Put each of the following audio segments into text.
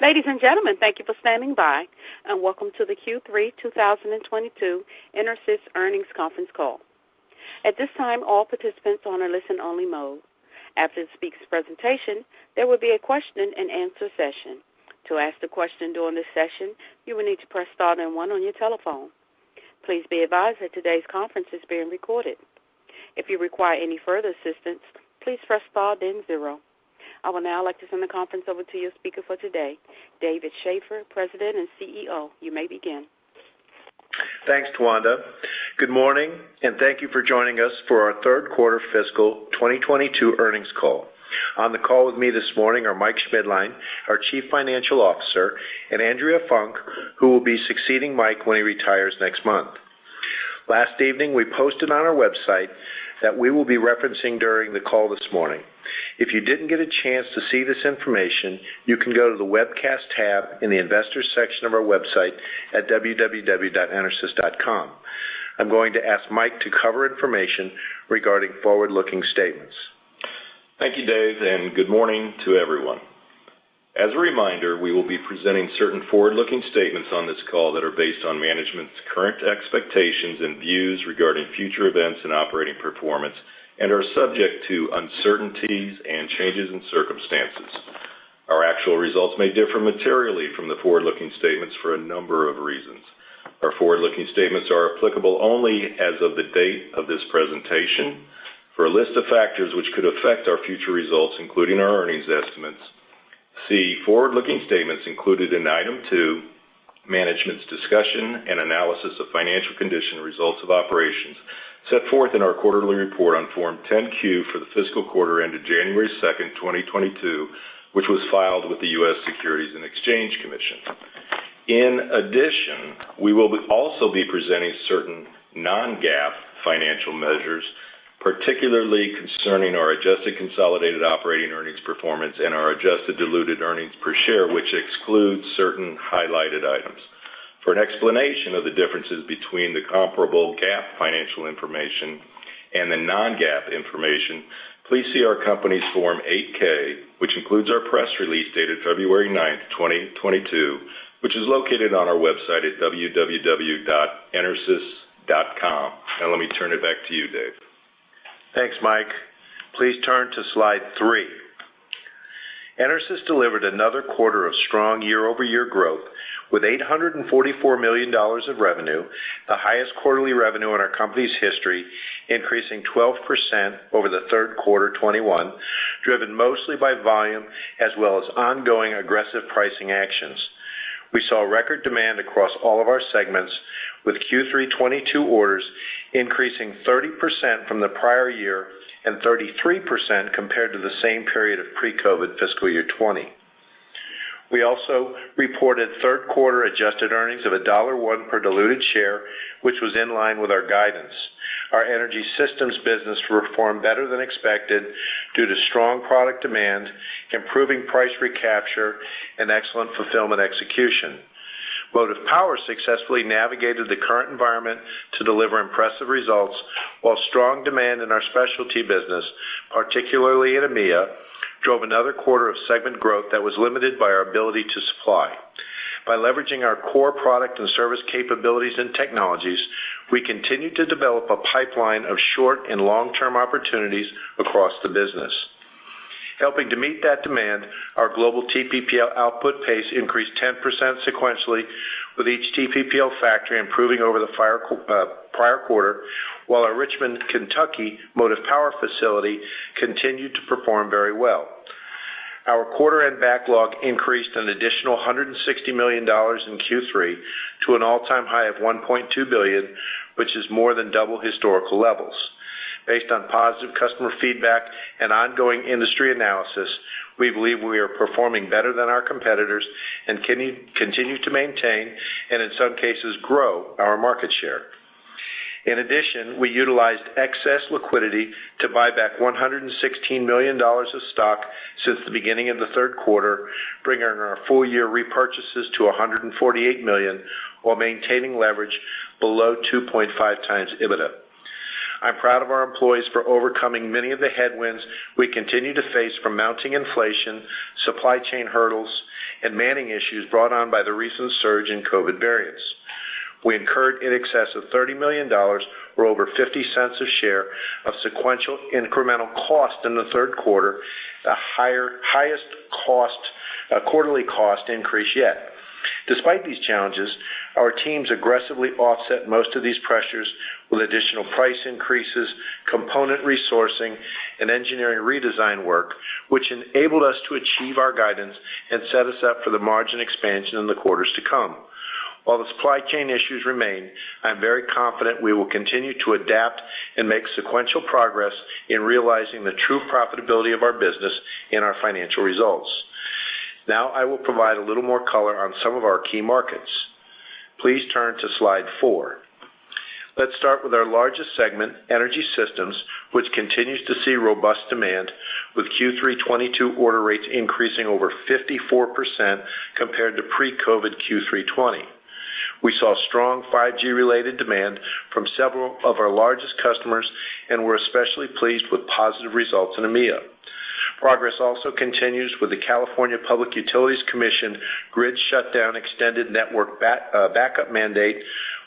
Ladies and gentlemen, thank you for standing by, and welcome to the Q3 2022 EnerSys Earnings Conference Call. At this time, all participants are in a listen-only mode. After the speaker's presentation, there will be a question-and-answer session. To ask a question during the session, you will need to press star then one on your telephone. Please be advised that today's conference is being recorded. If you require any further assistance, please press star then zero. I would now like to turn the conference over to your speaker for today, David Shaffer, President and CEO. You may begin. Thanks, Towanda. Good morning, and thank you for joining us for our third quarter fiscal 2022 earnings call. On the call with me this morning are Mike Schmidtlein, our Chief Financial Officer, and Andrea Funk, who will be succeeding Mike when he retires next month. Last evening, we posted on our website that we will be referencing during the call this morning. If you didn't get a chance to see this information, you can go to the Webcast tab in the Investors section of our website at www.enersys.com. I'm going to ask Mike to cover information regarding forward-looking statements. Thank you, Dave, and good morning to everyone. As a reminder, we will be presenting certain forward-looking statements on this call that are based on management's current expectations and views regarding future events and operating performance and are subject to uncertainties and changes in circumstances. Our actual results may differ materially from the forward-looking statements for a number of reasons. Our forward-looking statements are applicable only as of the date of this presentation. For a list of factors which could affect our future results, including our earnings estimates, see forward-looking statements included in Item two, Management's Discussion and Analysis of Financial Condition, Results of Operations, set forth in our quarterly report on Form 10-Q for the fiscal quarter ended January 2, 2022, which was filed with the U.S. Securities and Exchange Commission. In addition, we will also be presenting certain non-GAAP financial measures, particularly concerning our adjusted consolidated operating earnings performance and our adjusted diluted earnings per share, which excludes certain highlighted items. For an explanation of the differences between the comparable GAAP financial information and the non-GAAP information, please see our company's Form 8-K, which includes our press release dated February 9, 2022, which is located on our website at www.enersys.com. Now let me turn it back to you, Dave. Thanks, Mike. Please turn to slide three. EnerSys delivered another quarter of strong year-over-year growth with $844 million of revenue, the highest quarterly revenue in our company's history, increasing 12% over the third quarter 2021, driven mostly by volume as well as ongoing aggressive pricing actions. We saw record demand across all of our segments, with Q3 2022 orders increasing 30% from the prior year and 33% compared to the same period of pre-COVID fiscal year 2020. We also reported third quarter adjusted earnings of $1 per diluted share, which was in line with our guidance. Our Energy Systems business performed better than expected due to strong product demand, improving price recapture, and excellent fulfillment execution. Motive Power successfully navigated the current environment to deliver impressive results, while strong demand in our specialty business, particularly in EMEA, drove another quarter of segment growth that was limited by our ability to supply. By leveraging our core product and service capabilities and technologies, we continued to develop a pipeline of short and long-term opportunities across the business. Helping to meet that demand, our global TPPL output pace increased 10% sequentially, with each TPPL factory improving over the prior quarter, while our Richmond, Kentucky Motive Power facility continued to perform very well. Our quarter end backlog increased an additional $160 million in Q3 to an all-time high of $1.2 billion, which is more than double historical levels. Based on positive customer feedback and ongoing industry analysis, we believe we are performing better than our competitors and can continue to maintain, and in some cases grow, our market share. In addition, we utilized excess liquidity to buy back $116 million of stock since the beginning of the third quarter, bringing our full-year repurchases to $148 million, while maintaining leverage below 2.5x EBITDA. I'm proud of our employees for overcoming many of the headwinds we continue to face from mounting inflation, supply chain hurdles, and manning issues brought on by the recent surge in COVID variants. We incurred in excess of $30 million or over $0.50 a share of sequential incremental cost in the third quarter, the highest quarterly cost increase yet. Despite these challenges, our teams aggressively offset most of these pressures with additional price increases, component resourcing, and engineering redesign work, which enabled us to achieve our guidance and set us up for the margin expansion in the quarters to come. While the supply chain issues remain, I am very confident we will continue to adapt and make sequential progress in realizing the true profitability of our business in our financial results. Now I will provide a little more color on some of our key markets. Please turn to slide four. Let's start with our largest segment, Energy Systems, which continues to see robust demand with Q3 2022 order rates increasing over 54% compared to pre-COVID Q3 2020. We saw strong 5G-related demand from several of our largest customers, and we're especially pleased with positive results in EMEA. Progress also continues with the California Public Utilities Commission grid shutdown extended network backup mandate,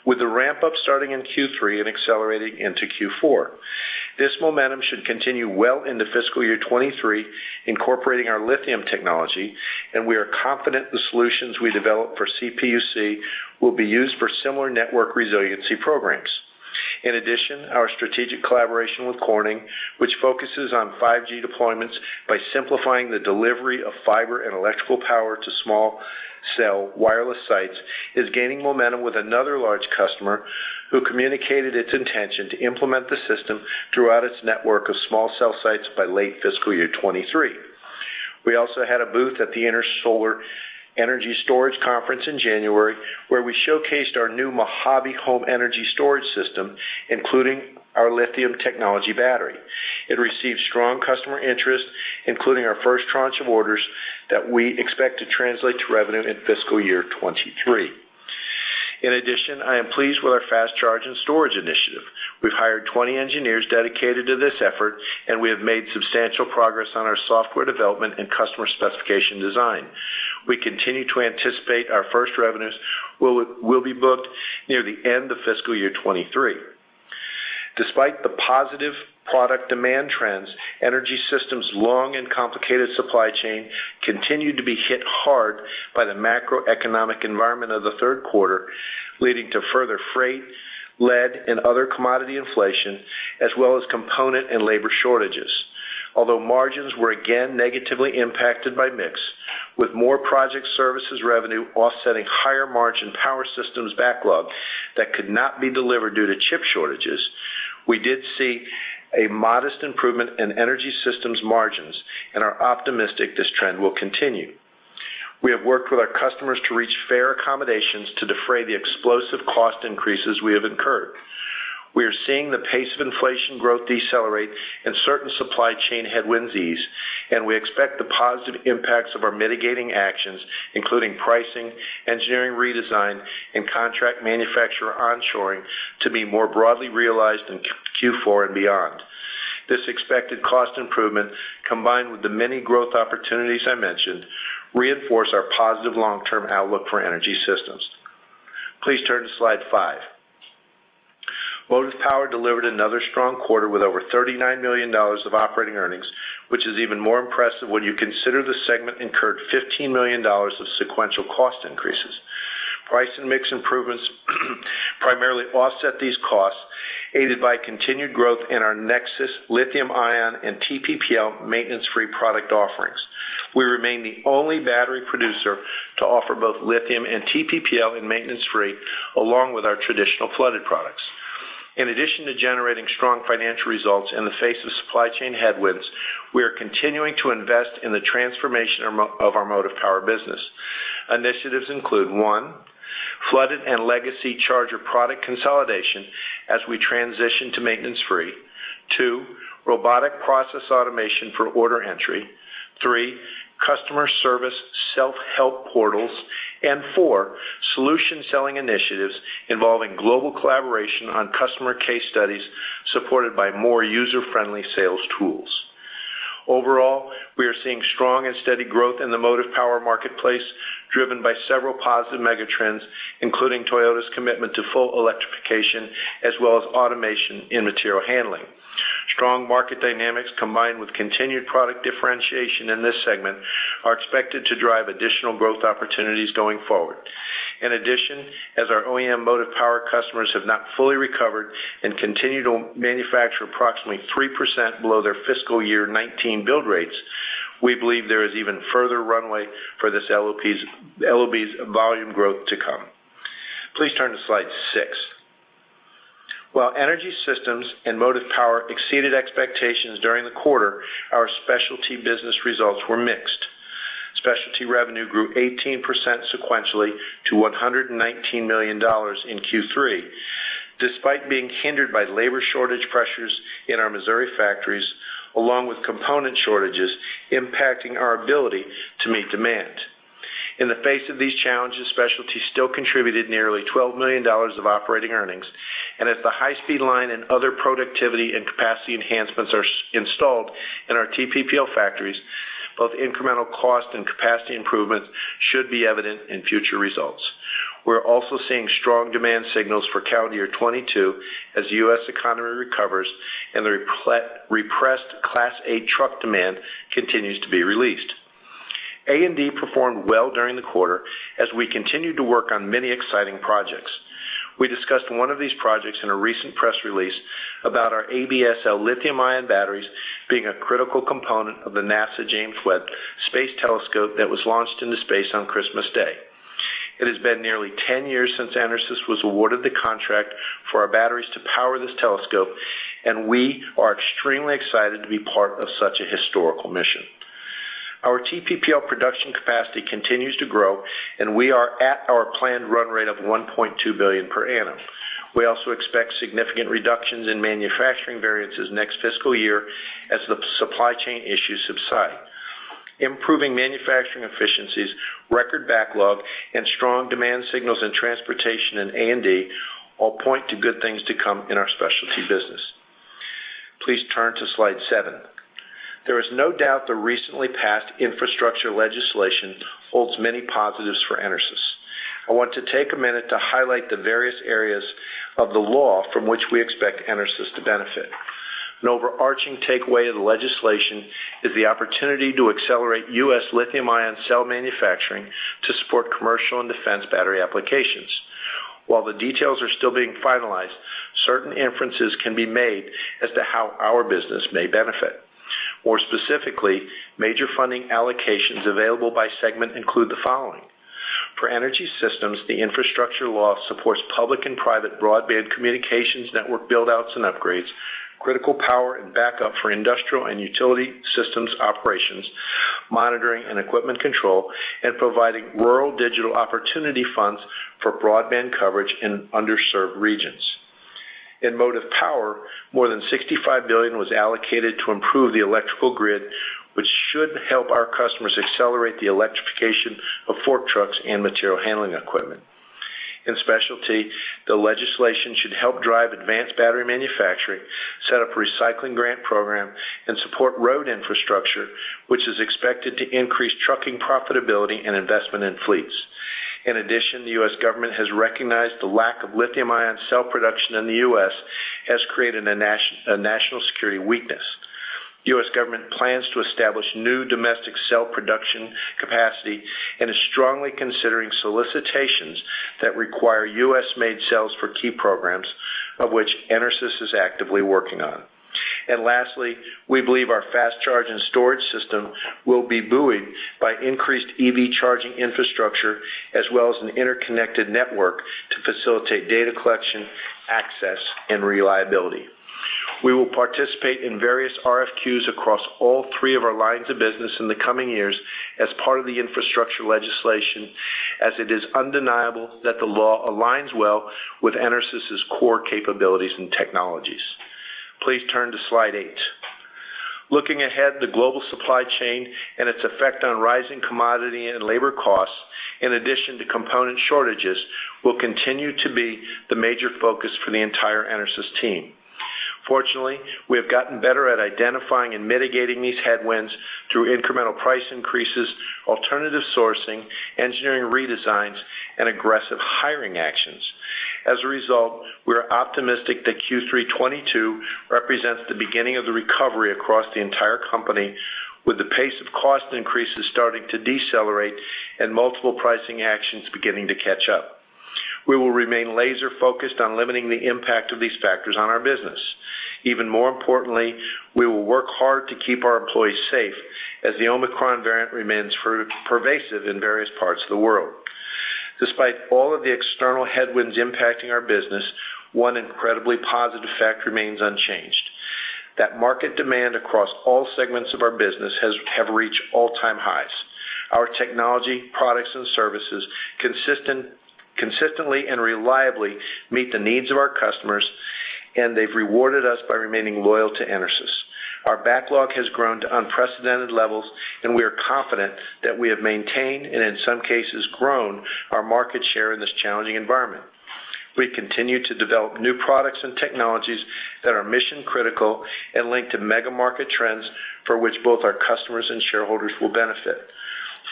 with the ramp-up starting in Q3 and accelerating into Q4. This momentum should continue well into fiscal year 2023, incorporating our lithium technology, and we are confident the solutions we develop for CPUC will be used for similar network resiliency programs. In addition, our strategic collaboration with Corning, which focuses on 5G deployments by simplifying the delivery of fiber and electrical power to small cell wireless sites, is gaining momentum with another large customer who communicated its intention to implement the system throughout its network of small cell sites by late fiscal year 2023. We also had a booth at the Intersolar & Energy Storage North America, where we showcased our new Mojave Home Energy Storage system, including our lithium technology battery. It received strong customer interest, including our first tranche of orders that we expect to translate to revenue in fiscal year 2023. In addition, I am pleased with our fast charge and storage initiative. We've hired 20 engineers dedicated to this effort, and we have made substantial progress on our software development and customer specification design. We continue to anticipate our first revenues will be booked near the end of fiscal year 2023. Despite the positive product demand trends, Energy Systems' long and complicated supply chain continued to be hit hard by the macroeconomic environment of the third quarter, leading to further freight, lead, and other commodity inflation, as well as component and labor shortages. Although margins were again negatively impacted by mix, with more project services revenue offsetting higher margin power systems backlog that could not be delivered due to chip shortages, we did see a modest improvement in Energy Systems margins and are optimistic this trend will continue. We have worked with our customers to reach fair accommodations to defray the explosive cost increases we have incurred. We are seeing the pace of inflation growth decelerate and certain supply chain headwinds ease, and we expect the positive impacts of our mitigating actions, including pricing, engineering redesign, and contract manufacturer onshoring, to be more broadly realized in Q4 and beyond. This expected cost improvement, combined with the many growth opportunities I mentioned, reinforce our positive long-term outlook for Energy Systems. Please turn to slide five. Motive Power delivered another strong quarter with over $39 million of operating earnings, which is even more impressive when you consider the segment incurred $15 million of sequential cost increases. Price and mix improvements primarily offset these costs, aided by continued growth in our NexSys lithium-ion and TPPL maintenance-free product offerings. We remain the only battery producer to offer both lithium and TPPL in maintenance-free, along with our traditional flooded products. In addition to generating strong financial results in the face of supply chain headwinds, we are continuing to invest in the transformation of our Motive Power business. Initiatives include, one, flooded and legacy charger product consolidation as we transition to maintenance-free. Two, robotic process automation for order entry. Three, customer service self-help portals. And four, solution selling initiatives involving global collaboration on customer case studies supported by more user-friendly sales tools. Overall, we are seeing strong and steady growth in the Motive Power marketplace, driven by several positive megatrends, including Toyota's commitment to full electrification as well as automation in material handling. Strong market dynamics combined with continued product differentiation in this segment are expected to drive additional growth opportunities going forward. In addition, as our OEM Motive Power customers have not fully recovered and continue to manufacture approximately 3% below their fiscal year 2019 build rates, we believe there is even further runway for this LOB's volume growth to come. Please turn to slide six. While Energy Systems and Motive Power exceeded expectations during the quarter, our specialty business results were mixed. Specialty revenue grew 18% sequentially to $119 million in Q3, despite being hindered by labor shortage pressures in our Missouri factories, along with component shortages impacting our ability to meet demand. In the face of these challenges, Specialty still contributed nearly $12 million of operating earnings, and as the high-speed line and other productivity and capacity enhancements are installed in our TPPL factories, both incremental cost and capacity improvements should be evident in future results. We're also seeing strong demand signals for calendar year 2022 as the U.S. economy recovers and the repressed Class 8 truck demand continues to be released. A&D performed well during the quarter as we continued to work on many exciting projects. We discussed one of these projects in a recent press release about our ABSL lithium-ion batteries being a critical component of the NASA James Webb Space Telescope that was launched into space on Christmas Day. It has been nearly 10 years since EnerSys was awarded the contract for our batteries to power this telescope, and we are extremely excited to be part of such a historical mission. Our TPPL production capacity continues to grow, and we are at our planned run rate of $1.2 billion per annum. We also expect significant reductions in manufacturing variances next fiscal year as the supply chain issues subside. Improving manufacturing efficiencies, record backlog, and strong demand signals in transportation and A&D all point to good things to come in our specialty business. Please turn to slide seven. There is no doubt the recently passed infrastructure legislation holds many positives for EnerSys. I want to take a minute to highlight the various areas of the law from which we expect EnerSys to benefit. An overarching takeaway of the legislation is the opportunity to accelerate U.S. lithium-ion cell manufacturing to support commercial and defense battery applications. While the details are still being finalized, certain inferences can be made as to how our business may benefit. More specifically, major funding allocations available by segment include the following. For energy systems, the infrastructure law supports public and private broadband communications network build-outs and upgrades, critical power and backup for industrial and utility systems operations, monitoring and equipment control, and providing Rural Digital Opportunity Funds for broadband coverage in underserved regions. In motive power, more than $65 billion was allocated to improve the electrical grid, which should help our customers accelerate the electrification of fork trucks and material handling equipment. In specialty, the legislation should help drive advanced battery manufacturing, set up a recycling grant program, and support road infrastructure, which is expected to increase trucking profitability and investment in fleets. In addition, the U.S. government has recognized the lack of lithium-ion cell production in the U.S. has created a national security weakness. The U.S. government plans to establish new domestic cell production capacity and is strongly considering solicitations that require U.S.-made cells for key programs, of which EnerSys is actively working on. Lastly, we believe our fast charge and storage system will be buoyed by increased EV charging infrastructure as well as an interconnected network to facilitate data collection, access, and reliability. We will participate in various RFQs across all three of our lines of business in the coming years as part of the infrastructure legislation, as it is undeniable that the law aligns well with EnerSys' core capabilities and technologies. Please turn to slide eight. Looking ahead, the global supply chain and its effect on rising commodity and labor costs, in addition to component shortages, will continue to be the major focus for the entire EnerSys team. Fortunately, we have gotten better at identifying and mitigating these headwinds through incremental price increases, alternative sourcing, engineering redesigns, and aggressive hiring actions. As a result, we are optimistic that Q3 2022 represents the beginning of the recovery across the entire company, with the pace of cost increases starting to decelerate and multiple pricing actions beginning to catch up. We will remain laser-focused on limiting the impact of these factors on our business. Even more importantly, we will work hard to keep our employees safe as the Omicron variant remains pervasive in various parts of the world. Despite all of the external headwinds impacting our business, one incredibly positive fact remains unchanged, that market demand across all segments of our business has reached all-time highs. Our technology, products, and services consistently and reliably meet the needs of our customers, and they've rewarded us by remaining loyal to EnerSys. Our backlog has grown to unprecedented levels, and we are confident that we have maintained, and in some cases, grown our market share in this challenging environment. We continue to develop new products and technologies that are mission-critical and linked to mega market trends for which both our customers and shareholders will benefit.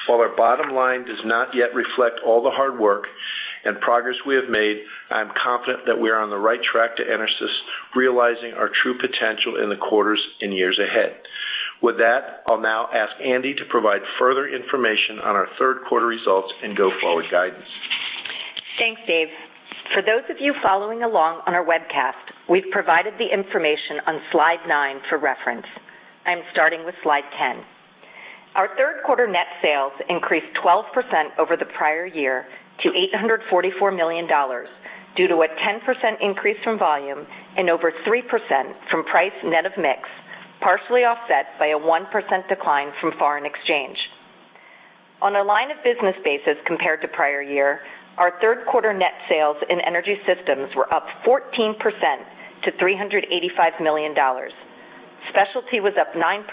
While our bottom line does not yet reflect all the hard work and progress we have made, I am confident that we are on the right track to EnerSys realizing our true potential in the quarters and years ahead. With that, I'll now ask Andi to provide further information on our third quarter results and go-forward guidance. Thanks, Dave. For those of you following along on our webcast, we've provided the information on slide nine for reference. I'm starting with slide 10. Our third quarter net sales increased 12% over the prior year to $844 million due to a 10% increase from volume and over 3% from price net of mix, partially offset by a 1% decline from foreign exchange. On a line of business basis compared to prior year, our third quarter net sales in Energy Systems were up 14% to $385 million. Specialty was up 9%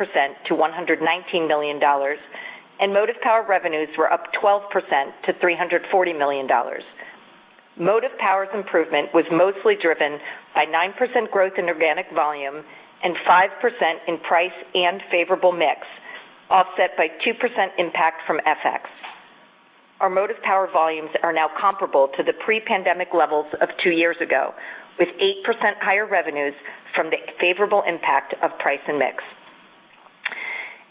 to $119 million, and Motive Power revenues were up 12% to $340 million. Motive Power's improvement was mostly driven by 9% growth in organic volume and 5% in price and favorable mix, offset by 2% impact from FX. Our Motive Power volumes are now comparable to the pre-pandemic levels of two years ago, with 8% higher revenues from the favorable impact of price and mix.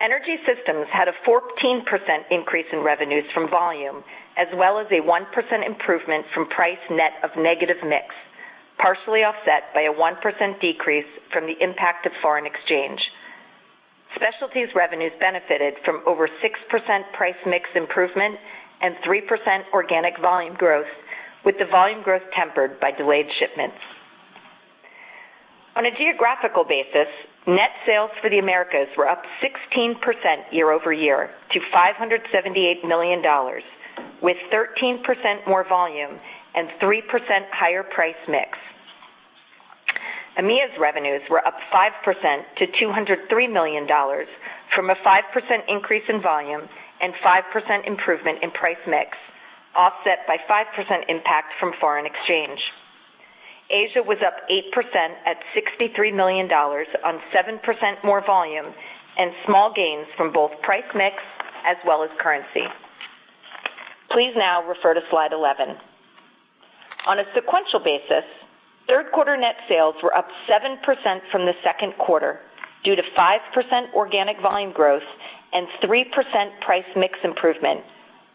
Energy Systems had a 14% increase in revenues from volume, as well as a 1% improvement from price net of negative mix, partially offset by a 1% decrease from the impact of foreign exchange. Specialties revenues benefited from over 6% price mix improvement and 3% organic volume growth, with the volume growth tempered by delayed shipments. On a geographical basis, net sales for the Americas were up 16% year-over-year to $578 million, with 13% more volume and 3% higher price mix. EMEA's revenues were up 5% to $203 million from a 5% increase in volume and 5% improvement in price mix, offset by 5% impact from foreign exchange. Asia was up 8% at $63 million on 7% more volume and small gains from both price mix as well as currency. Please now refer to Slide 11. On a sequential basis, third quarter net sales were up 7% from the second quarter due to 5% organic volume growth and 3% price mix improvement,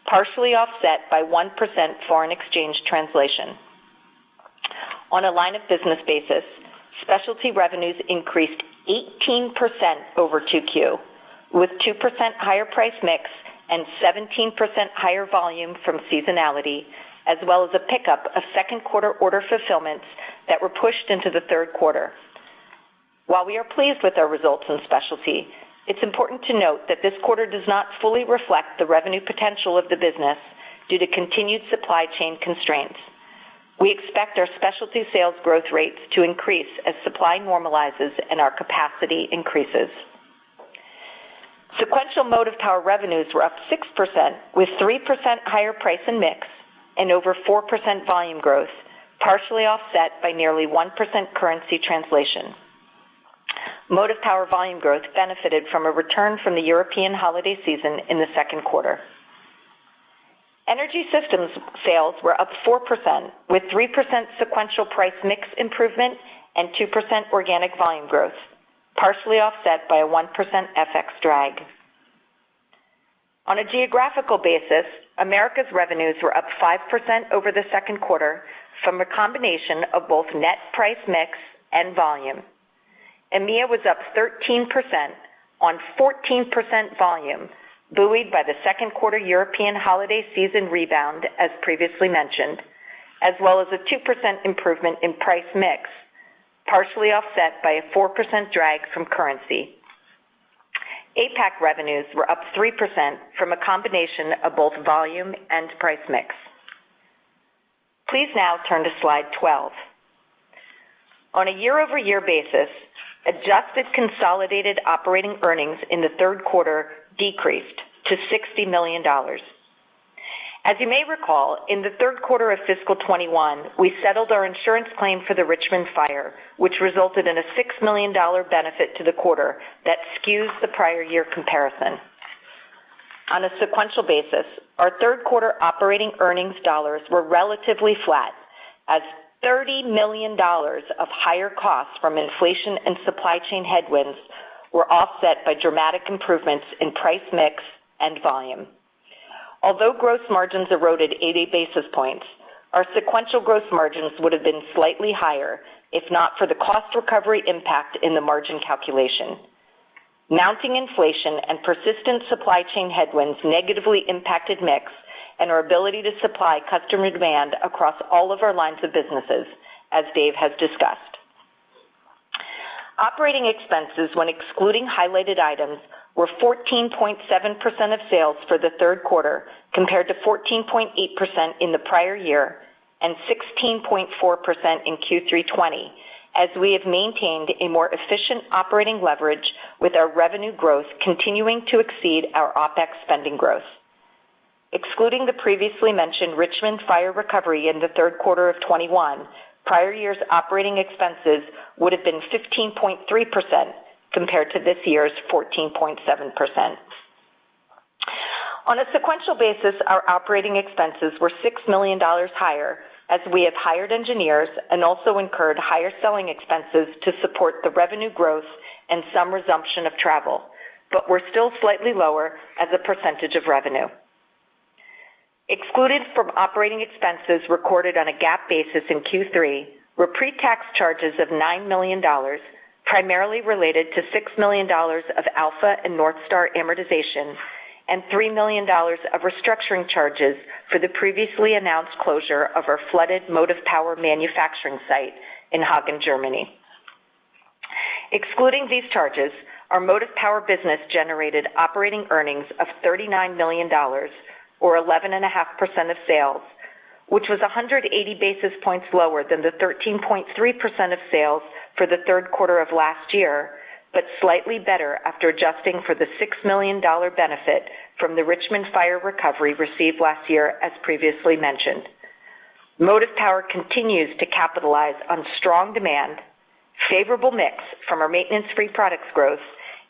partially offset by 1% foreign exchange translation. On a line of business basis, Specialty revenues increased 18% over 2Q, with 2% higher price mix and 17% higher volume from seasonality, as well as a pickup of second quarter order fulfillments that were pushed into the third quarter. While we are pleased with our results in Specialty, it's important to note that this quarter does not fully reflect the revenue potential of the business due to continued supply chain constraints. We expect our Specialty sales growth rates to increase as supply normalizes and our capacity increases. Sequential Motive Power revenues were up 6%, with 3% higher price and mix and over 4% volume growth, partially offset by nearly 1% currency translation. Motive Power volume growth benefited from a return from the European holiday season in the second quarter. Energy systems sales were up 4%, with 3% sequential price mix improvement and 2% organic volume growth, partially offset by a 1% FX drag. On a geographical basis, Americas revenues were up 5% over the second quarter from a combination of both net price mix and volume. EMEA was up 13% on 14% volume, buoyed by the second quarter European holiday season rebound, as previously mentioned, as well as a 2% improvement in price mix, partially offset by a 4% drag from currency. APAC revenues were up 3% from a combination of both volume and price mix. Please now turn to Slide 12. On a year-over-year basis, adjusted consolidated operating earnings in the third quarter decreased to $60 million. As you may recall, in the third quarter of fiscal 2021, we settled our insurance claim for the Richmond fire, which resulted in a $6 million benefit to the quarter that skews the prior year comparison. On a sequential basis, our third quarter operating earnings dollars were relatively flat as $30 million of higher costs from inflation and supply chain headwinds were offset by dramatic improvements in price mix and volume. Although gross margins eroded 80 basis points, our sequential gross margins would have been slightly higher if not for the cost recovery impact in the margin calculation. Mounting inflation and persistent supply chain headwinds negatively impacted mix and our ability to supply customer demand across all of our lines of businesses, as Dave has discussed. Operating expenses when excluding highlighted items were 14.7% of sales for the third quarter compared to 14.8% in the prior year and 16.4% in Q3 2020, as we have maintained a more efficient operating leverage with our revenue growth continuing to exceed our OpEx spending growth. Excluding the previously mentioned Richmond fire recovery in the third quarter of 2021, prior year's operating expenses would have been 15.3% compared to this year's 14.7%. On a sequential basis, our operating expenses were $6 million higher as we have hired engineers and also incurred higher selling expenses to support the revenue growth and some resumption of travel, but were still slightly lower as a percentage of revenue. Excluded from operating expenses recorded on a GAAP basis in Q3 were pre-tax charges of $9 million, primarily related to $6 million of Alpha and NorthStar amortization and $3 million of restructuring charges for the previously announced closure of our flooded Motive Power manufacturing site in Hagen, Germany. Excluding these charges, our Motive Power business generated operating earnings of $39 million or 11.5% of sales, which was 180 basis points lower than the 13.3% of sales for the third quarter of last year, but slightly better after adjusting for the $6 million benefit from the Richmond fire recovery received last year, as previously mentioned. Motive Power continues to capitalize on strong demand, favorable mix from our maintenance-free products growth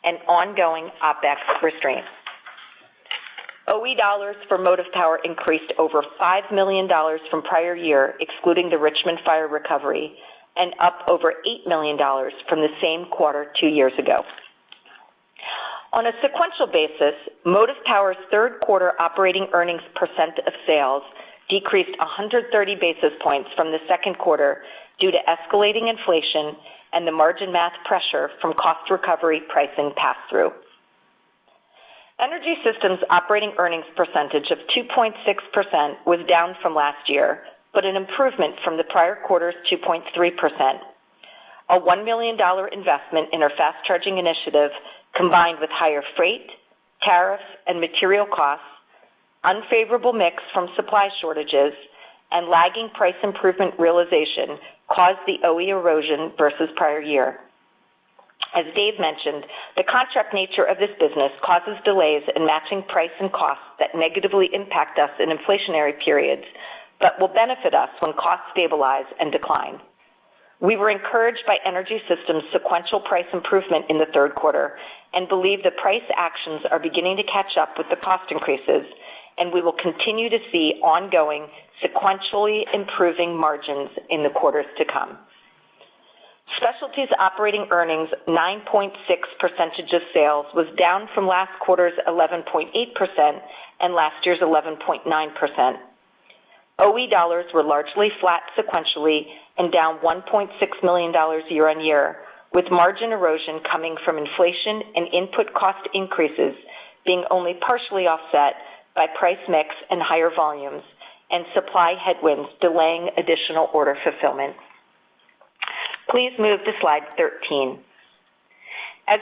and ongoing OpEx restraints. OE dollars for Motive Power increased over $5 million from prior year, excluding the Richmond fire recovery, and up over $8 million from the same quarter two years ago. On a sequential basis, Motive Power's third quarter operating earnings percent of sales decreased 130 basis points from the second quarter due to escalating inflation and the margin math pressure from cost recovery pricing pass-through. Energy Systems operating earnings percentage of 2.6% was down from last year, but an improvement from the prior quarter's 2.3%. A $1 million investment in our fast-charging initiative, combined with higher freight, tariffs, and material costs. Unfavorable mix from supply shortages and lagging price improvement realization caused the OE erosion versus prior year. As Dave mentioned, the contract nature of this business causes delays in matching price and costs that negatively impact us in inflationary periods, but will benefit us when costs stabilize and decline. We were encouraged by Energy Systems sequential price improvement in the third quarter and believe that price actions are beginning to catch up with the cost increases, and we will continue to see ongoing sequentially improving margins in the quarters to come. Specialties operating earnings 9.6% of sales was down from last quarter's 11.8% and last year's 11.9%. OE dollars were largely flat sequentially and down $1.6 million year-on-year, with margin erosion coming from inflation and input cost increases being only partially offset by price mix and higher volumes and supply headwinds delaying additional order fulfillment. Please move to slide 13. As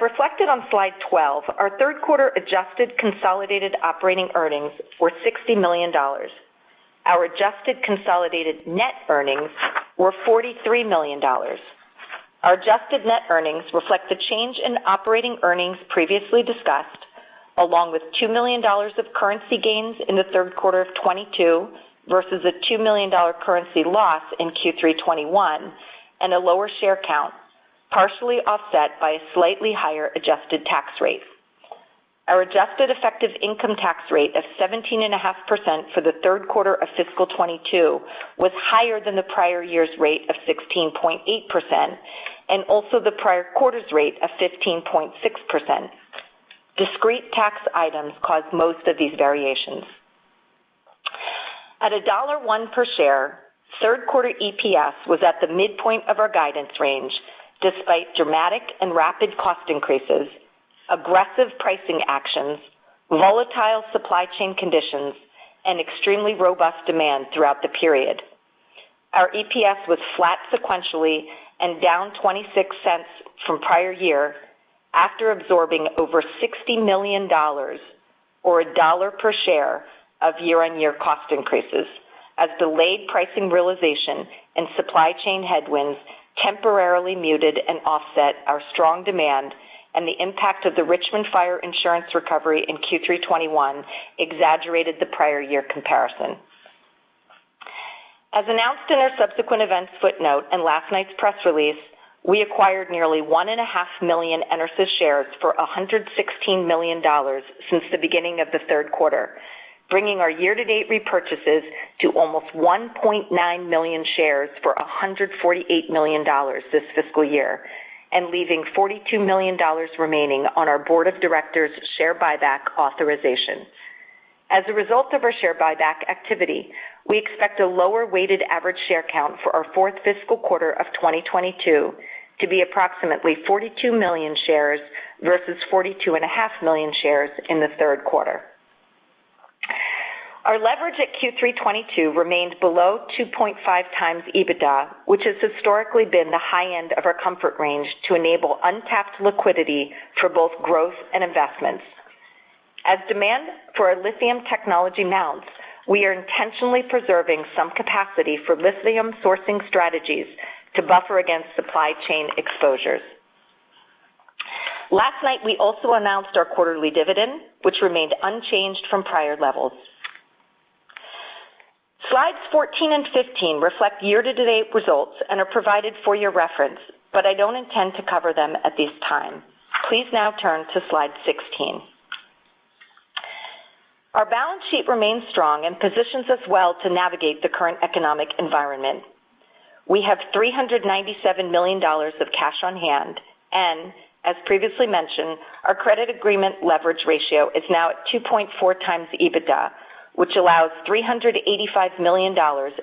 reflected on slide 12, our third quarter adjusted consolidated operating earnings were $60 million. Our adjusted consolidated net earnings were $43 million. Our adjusted net earnings reflect the change in operating earnings previously discussed, along with $2 million of currency gains in the third quarter of 2022 versus a $2 million currency loss in Q3 2021 and a lower share count, partially offset by a slightly higher adjusted tax rate. Our adjusted effective income tax rate of 17.5% for the third quarter of fiscal 2022 was higher than the prior year's rate of 16.8% and also the prior quarter's rate of 15.6%. Discrete tax items caused most of these variations. At $1.01 per share, third quarter EPS was at the midpoint of our guidance range, despite dramatic and rapid cost increases, aggressive pricing actions, volatile supply chain conditions and extremely robust demand throughout the period. Our EPS was flat sequentially and down $0.26 from prior year after absorbing over $60 million or $1 per share of year-on-year cost increases as delayed pricing realization and supply chain headwinds temporarily muted and offset our strong demand and the impact of the Richmond fire insurance recovery in Q3 2021 exaggerated the prior year comparison. As announced in our subsequent events footnote in last night's press release, we acquired nearly 1.5 million EnerSys shares for $116 million since the beginning of the third quarter, bringing our year-to-date repurchases to almost 1.9 million shares for $148 million this fiscal year and leaving $42 million remaining on our board of directors share buyback authorization. As a result of our share buyback activity, we expect a lower weighted average share count for our fourth fiscal quarter of 2022 to be approximately 42 million shares versus 42.5 million shares in the third quarter. Our leverage at Q3 2022 remained below 2.5x EBITDA, which has historically been the high end of our comfort range to enable untapped liquidity for both growth and investments. As demand for our lithium technology mounts, we are intentionally preserving some capacity for lithium sourcing strategies to buffer against supply chain exposures. Last night, we also announced our quarterly dividend, which remained unchanged from prior levels. Slides 14 and 15 reflect year-to-date results and are provided for your reference, but I don't intend to cover them at this time. Please now turn to slide 16. Our balance sheet remains strong and positions us well to navigate the current economic environment. We have $397 million of cash on hand, and as previously mentioned, our credit agreement leverage ratio is now at 2.4x EBITDA, which allows $385 million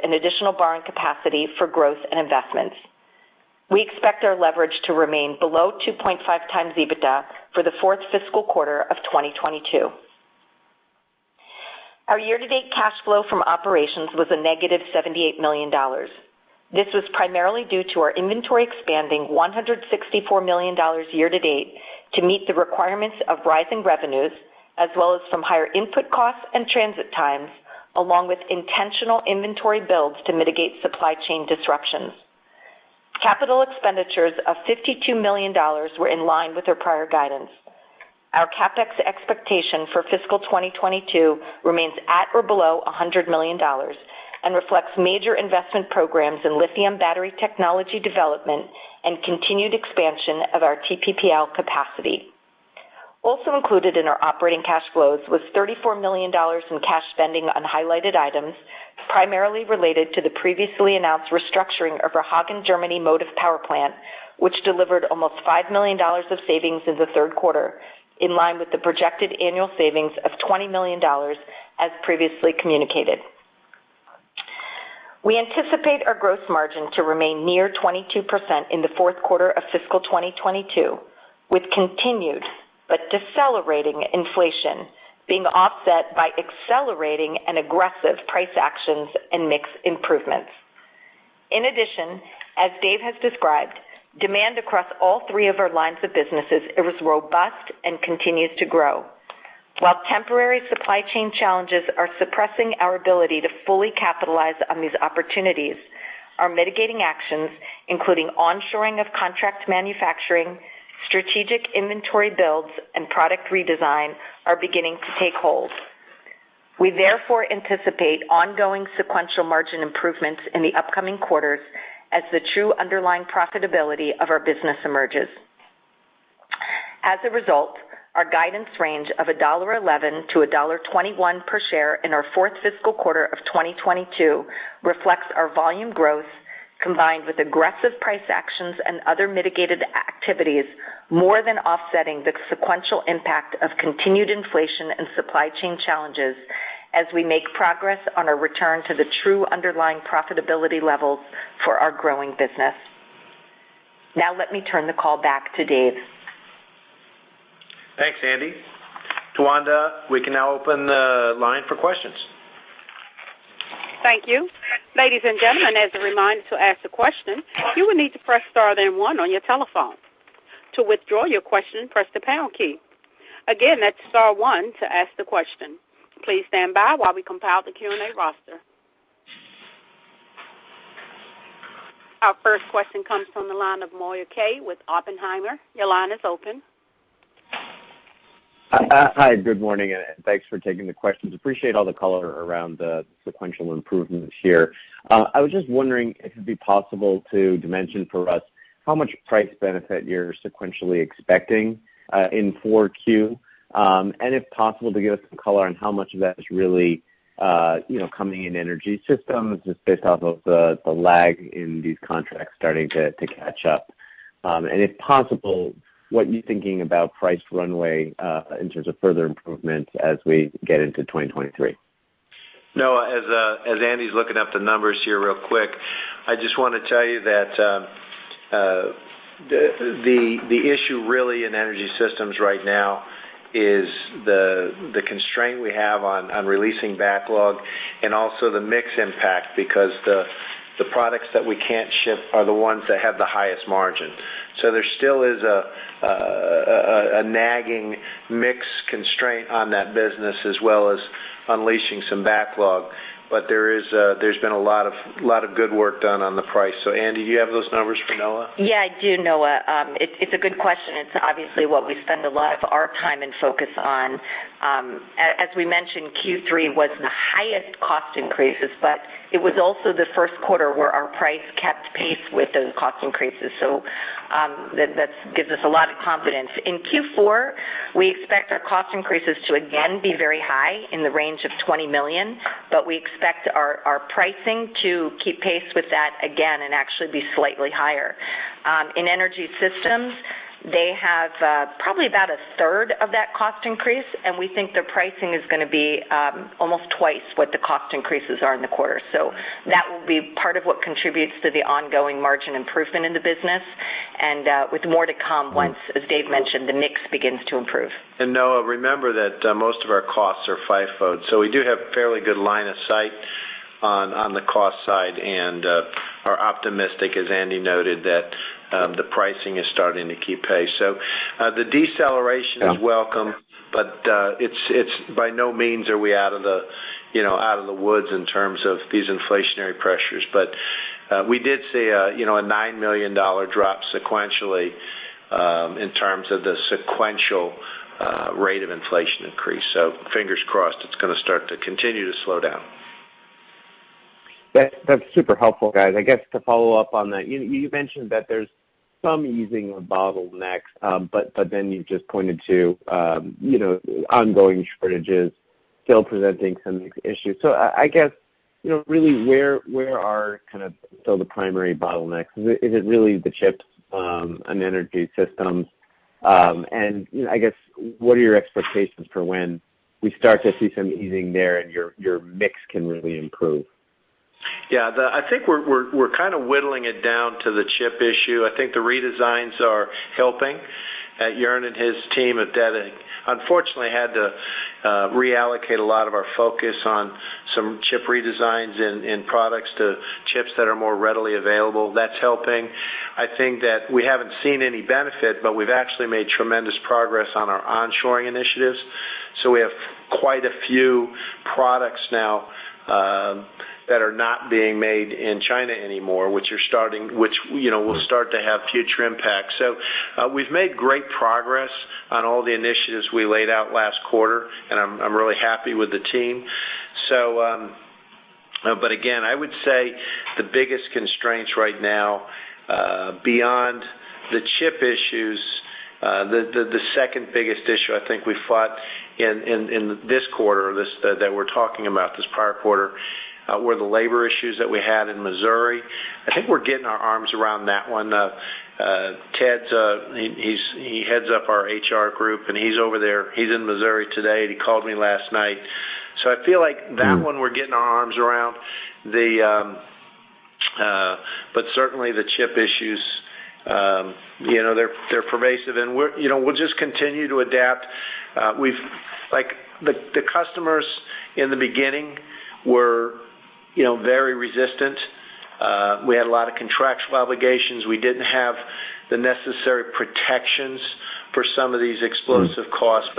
in additional borrowing capacity for growth and investments. We expect our leverage to remain below 2.5x EBITDA for the fourth fiscal quarter of 2022. Our year-to-date cash flow from operations was a negative $78 million. This was primarily due to our inventory expanding $164 million year-to-date to meet the requirements of rising revenues, as well as some higher input costs and transit times, along with intentional inventory builds to mitigate supply chain disruptions. Capital expenditures of $52 million were in line with our prior guidance. Our CapEx expectation for fiscal 2022 remains at or below $100 million and reflects major investment programs in lithium battery technology development and continued expansion of our TPPL capacity. Included in our operating cash flows was $34 million in cash spending on highlighted items, primarily related to the previously announced restructuring of our Hagen, Germany motive power plant, which delivered almost $5 million of savings in the third quarter, in line with the projected annual savings of $20 million as previously communicated. We anticipate our gross margin to remain near 22% in the fourth quarter of fiscal 2022, with continued but decelerating inflation being offset by accelerating and aggressive price actions and mix improvements. In addition, as Dave has described, demand across all three of our lines of businesses, it was robust and continues to grow. While temporary supply chain challenges are suppressing our ability to fully capitalize on these opportunities, our mitigating actions, including onshoring of contract manufacturing, strategic inventory builds, and product redesign are beginning to take hold. We therefore anticipate ongoing sequential margin improvements in the upcoming quarters as the true underlying profitability of our business emerges. As a result, our guidance range of $1.11-$1.21 per share in our fourth fiscal quarter of 2022 reflects our volume growth, combined with aggressive price actions and other mitigated activities, more than offsetting the sequential impact of continued inflation and supply chain challenges as we make progress on our return to the true underlying profitability levels for our growing business. Now let me turn the call back to Dave. Thanks, Andi. Towanda, we can now open the line for questions. Thank you. Ladies and gentlemen, as a reminder to ask a question, you will need to press star then one on your telephone. To withdraw your question, press the pound key. Again, that's star one to ask the question. Please stand by while we compile the Q&A roster. Our first question comes from the line of Noah Kaye with Oppenheimer. Your line is open. Hi, good morning, and thanks for taking the questions. Appreciate all the color around the sequential improvements here. I was just wondering if it'd be possible to dimension for us how much price benefit you're sequentially expecting in Q4. If possible, to give us some color on how much of that is really, you know, coming in energy systems just based off of the lag in these contracts starting to catch up. If possible, what you're thinking about price runway in terms of further improvement as we get into 2023? Noah, Andi's looking up the numbers here real quick. I just wanna tell you that the issue really in energy systems right now is the constraint we have on releasing backlog and also the mix impact because the products that we can't ship are the ones that have the highest margin. There still is a nagging mix constraint on that business as well as unleashing some backlog. But there's been a lot of good work done on the price. Andi, do you have those numbers for Noah? Yeah, I do, Noah. It's a good question. It's obviously what we spend a lot of our time and focus on. As we mentioned, Q3 was the highest cost increases, but it was also the first quarter where our price kept pace with those cost increases. That gives us a lot of confidence. In Q4, we expect our cost increases to again be very high in the range of $20 million, but we expect our pricing to keep pace with that again and actually be slightly higher. In energy systems, they have probably about a third of that cost increase, and we think their pricing is gonna be almost twice what the cost increases are in the quarter. That will be part of what contributes to the ongoing margin improvement in the business and, with more to come once, as Dave mentioned, the mix begins to improve. Noah, remember that most of our costs are FIFO'd. We do have fairly good line of sight on the cost side and are optimistic, as Andi noted, that the pricing is starting to keep pace. The deceleration is welcome, but it's by no means are we out of the woods in terms of these inflationary pressures. We did see a $9 million drop sequentially in terms of the sequential rate of inflation increase. Fingers crossed it's gonna start to continue to slow down. That's super helpful, guys. I guess to follow up on that, you mentioned that there's some easing of bottlenecks, but then you just pointed to you know, ongoing shortages still presenting some issues. I guess, you know, really where are kind of still the primary bottlenecks? Is it really the chips and energy systems? I guess what are your expectations for when we start to see some easing there and your mix can really improve? Yeah. I think we're kind of whittling it down to the chip issue. I think the redesigns are helping. Joern and his team unfortunately had to reallocate a lot of our focus on some chip redesigns in products to chips that are more readily available. That's helping. I think that we haven't seen any benefit, but we've actually made tremendous progress on our onshoring initiatives. We have quite a few products now that are not being made in China anymore, which, you know, will start to have future impact. We've made great progress on all the initiatives we laid out last quarter, and I'm really happy with the team. Again, I would say the biggest constraints right now, beyond the chip issues, the second biggest issue I think we faced in this quarter that we're talking about, this prior quarter, were the labor issues that we had in Missouri. I think we're getting our arms around that one. Ted heads up our HR group, and he's over there. He's in Missouri today. He called me last night. I feel like that one we're getting our arms around. Certainly the chip issues, you know, they're pervasive, and we're, you know, we'll just continue to adapt. Like, the customers in the beginning were, you know, very resistant. We had a lot of contractual obligations. We didn't have the necessary protections for some of these explosive costs.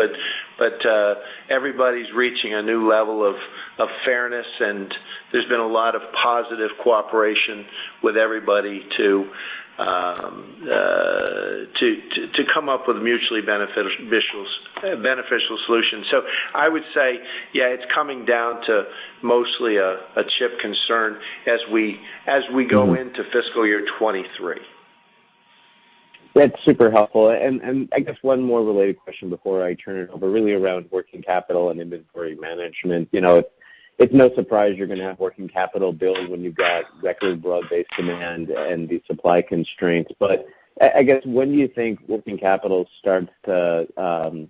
Everybody's reaching a new level of fairness, and there's been a lot of positive cooperation with everybody to come up with mutually beneficial solutions. I would say, yeah, it's coming down to mostly a chip concern as we go into fiscal year 2023. That's super helpful. I guess one more related question before I turn it over, really around working capital and inventory management. You know, it's no surprise you're gonna have working capital build when you've got record broad-based demand and the supply constraints. I guess, when do you think working capital starts to,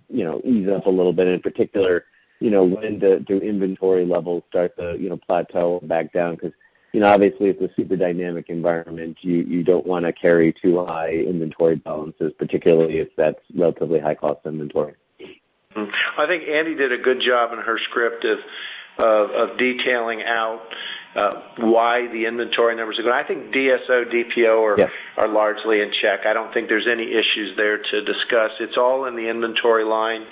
you know, ease up a little bit, and in particular, you know, when do inventory levels start to, you know, plateau back down? 'Cause, you know, obviously it's a super dynamic environment. You don't wanna carry too high inventory balances, particularly if that's relatively high-cost inventory? I think Andi did a good job in her script of detailing out why the inventory numbers are good. I think DSO, DPO are. Yeah. Inventories are largely in check. I don't think there's any issues there to discuss. It's all in the inventory line.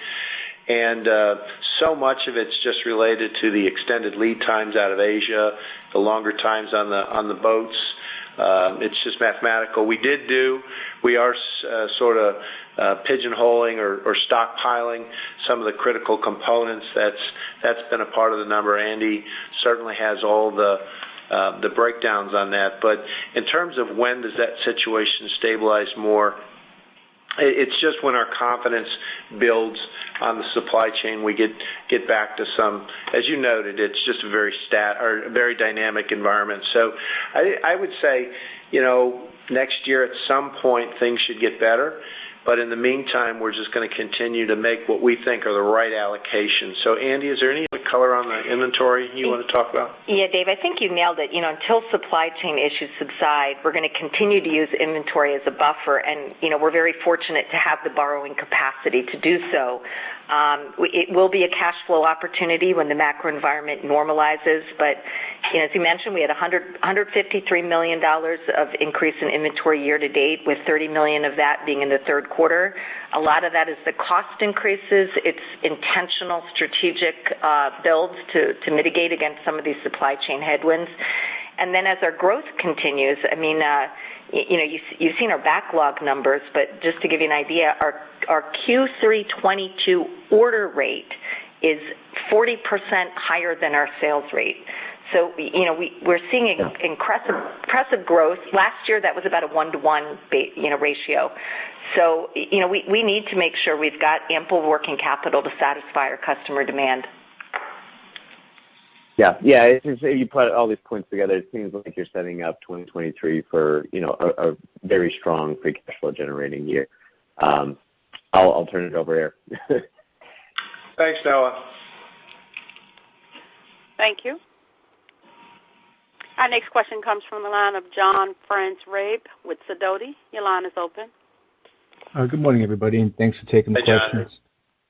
So much of it's just related to the extended lead times out of Asia, the longer times on the boats. It's just mathematical. We are sorta pigeonholing or stockpiling some of the critical components. That's been a part of the number. Andi certainly has all the breakdowns on that. But in terms of when does that situation stabilize more, it's just when our confidence builds on the supply chain, we get back to some. As you noted, it's just a very dynamic environment. I would say, you know, next year at some point, things should get better. In the meantime, we're just gonna continue to make what we think are the right allocations. Andi, is there any other color on the inventory you wanna talk about? Yeah, Dave, I think you nailed it. You know, until supply chain issues subside, we're gonna continue to use inventory as a buffer. You know, we're very fortunate to have the borrowing capacity to do so. It will be a cash flow opportunity when the macro environment normalizes. You know, as you mentioned, we had $153 million of increase in inventory year to date, with $30 million of that being in the third quarter. A lot of that is the cost increases. It's intentional strategic builds to mitigate against some of these supply chain headwinds. As our growth continues, I mean, you know, you've seen our backlog numbers, but just to give you an idea, our Q3 2022 order rate is 40% higher than our sales rate. You know, we're seeing- Yeah. Impressive growth. Last year, that was about a 1-to-1 ratio. You know, we need to make sure we've got ample working capital to satisfy our customer demand. Yeah. It's just, you put all these points together, it seems like you're setting up 2023 for, you know, a very strong free cash flow generating year. I'll turn it over here. Thanks, Noah. Thank you. Our next question comes from the line of John Franzreb with Sidoti. Your line is open. Good morning, everybody, and thanks for taking the questions.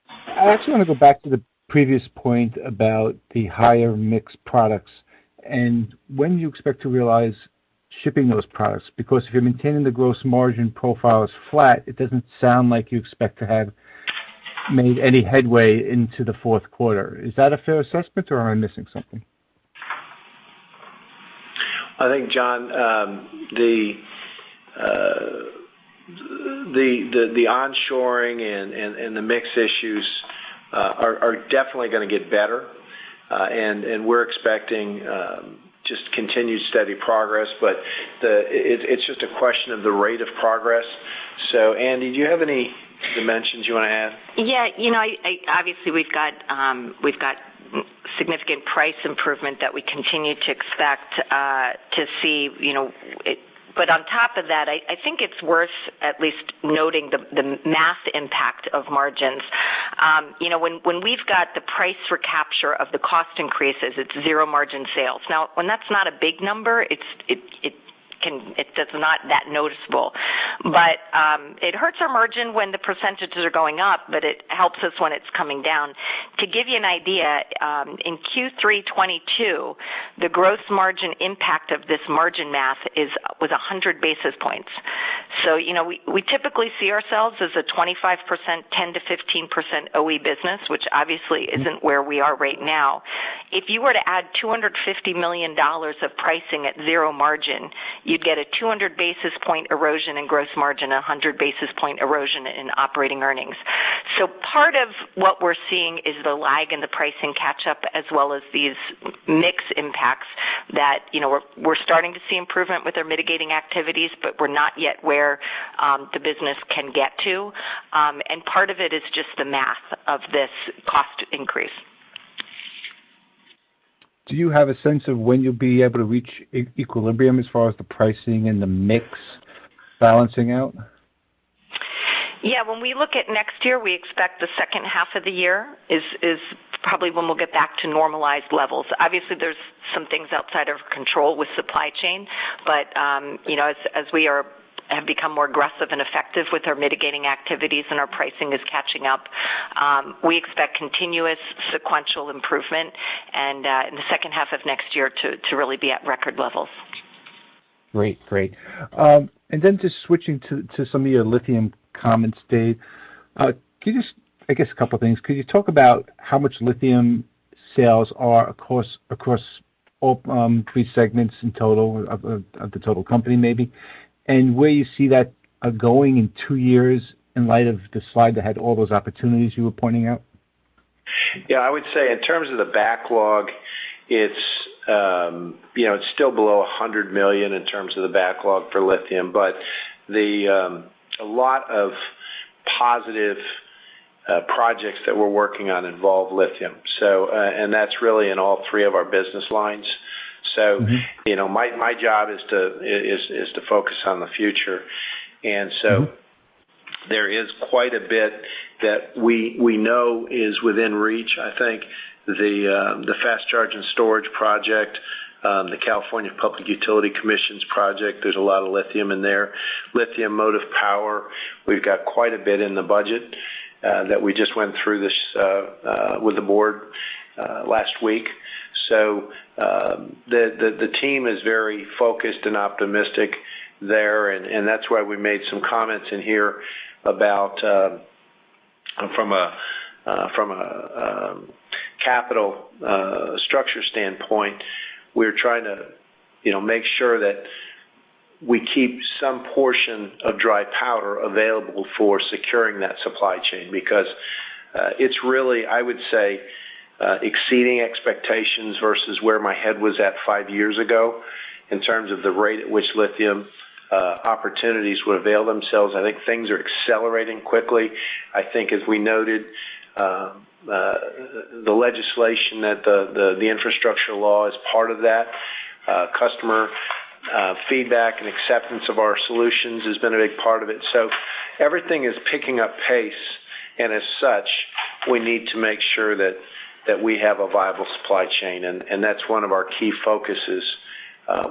Hey, John. I actually wanna go back to the previous point about the higher mix products. When do you expect to realize shipping those products? Because if you're maintaining the gross margin profile is flat, it doesn't sound like you expect to have made any headway into the fourth quarter. Is that a fair assessment, or am I missing something? I think, John, the onshoring and the mix issues are definitely gonna get better. We're expecting just continued steady progress. It's just a question of the rate of progress. Andi, do you have any dimensions you wanna add? Yeah. You know, obviously we've got significant price improvement that we continue to expect to see, you know. On top of that, I think it's worth at least noting the math impact of margins. You know, when we've got the price recapture of the cost increases, it's zero margin sales. Now, when that's not a big number, it's not that noticeable. It hurts our margin when the percentages are going up, but it helps us when it's coming down. To give you an idea, in Q3 2022, the gross margin impact of this margin math was 100 basis points. You know, we typically see ourselves as a 25%, 10%-15% OE business, which obviously isn't where we are right now. If you were to add $250 million of pricing at zero margin, you'd get a 200 basis point erosion in gross margin, a 100 basis point erosion in operating earnings. Part of what we're seeing is the lag in the pricing catch-up as well as these mix impacts that, you know, we're starting to see improvement with our mitigating activities, but we're not yet where the business can get to. Part of it is just the math of this cost increase. Do you have a sense of when you'll be able to reach equilibrium as far as the pricing and the mix balancing out? Yeah, when we look at next year, we expect the second half of the year is probably when we'll get back to normalized levels. Obviously, there's some things outside of control with supply chain, but you know, as we have become more aggressive and effective with our mitigating activities and our pricing is catching up, we expect continuous sequential improvement and in the second half of next year to really be at record levels. Great. Just switching to some of your lithium comments, Dave. Can you just, I guess, a couple things? Could you talk about how much lithium sales are across all three segments in total of the total company maybe, and where you see that going in two years in light of the slide that had all those opportunities you were pointing out? Yeah. I would say in terms of the backlog, it's, you know, it's still below $100 million in terms of the backlog for lithium, but a lot of positive projects that we're working on involve lithium. So, and that's really in all three of our business lines. Mm-hmm. You know, my job is to focus on the future. There is quite a bit that we know is within reach. I think the fast charge and storage project, the California Public Utilities Commission project, there's a lot of lithium in there. Lithium motive power, we've got quite a bit in the budget that we just went through with the board last week. So, the team is very focused and optimistic there, and that's why we made some comments in here about from a capital structure standpoint. We're trying to, you know, make sure that we keep some portion of dry powder available for securing that supply chain because it's really, I would say, exceeding expectations versus where my head was at five years ago in terms of the rate at which lithium opportunities would avail themselves. I think things are accelerating quickly. I think as we noted, the legislation that the infrastructure law is part of that. Customer feedback and acceptance of our solutions has been a big part of it. Everything is picking up pace, and as such, we need to make sure that we have a viable supply chain. That's one of our key focuses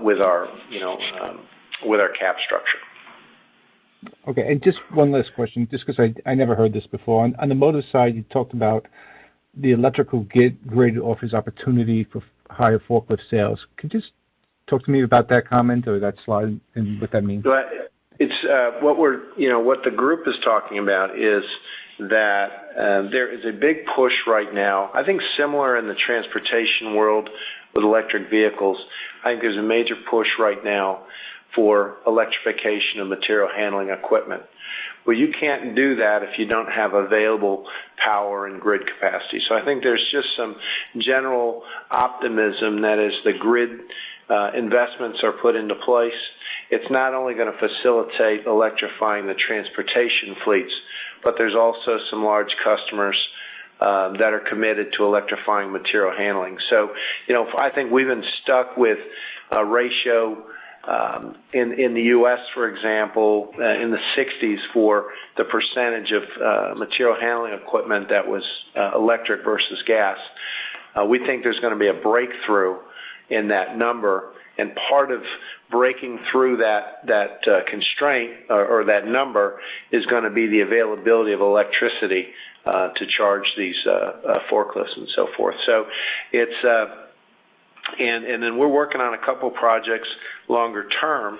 with our, you know, capital structure. Okay. Just one last question, just 'cause I never heard this before. On the motor side, you talked about the electrical grid offers opportunity for higher forklift sales. Could you just talk to me about that comment or that slide and what that means? Go ahead. It's what we're, you know, what the group is talking about is that there is a big push right now. I think similar in the transportation world with electric vehicles. I think there's a major push right now for electrification of material handling equipment. Well, you can't do that if you don't have available power and grid capacity. I think there's just some general optimism that as the grid investments are put into place, it's not only gonna facilitate electrifying the transportation fleets, but there's also some large customers that are committed to electrifying material handling. You know, I think we've been stuck with a ratio in the U.S., for example, in the 60s for the percentage of material handling equipment that was electric versus gas. We think there's gonna be a breakthrough in that number, and part of breaking through that constraint or that number is gonna be the availability of electricity to charge these forklifts and so forth. Then we're working on a couple projects longer term,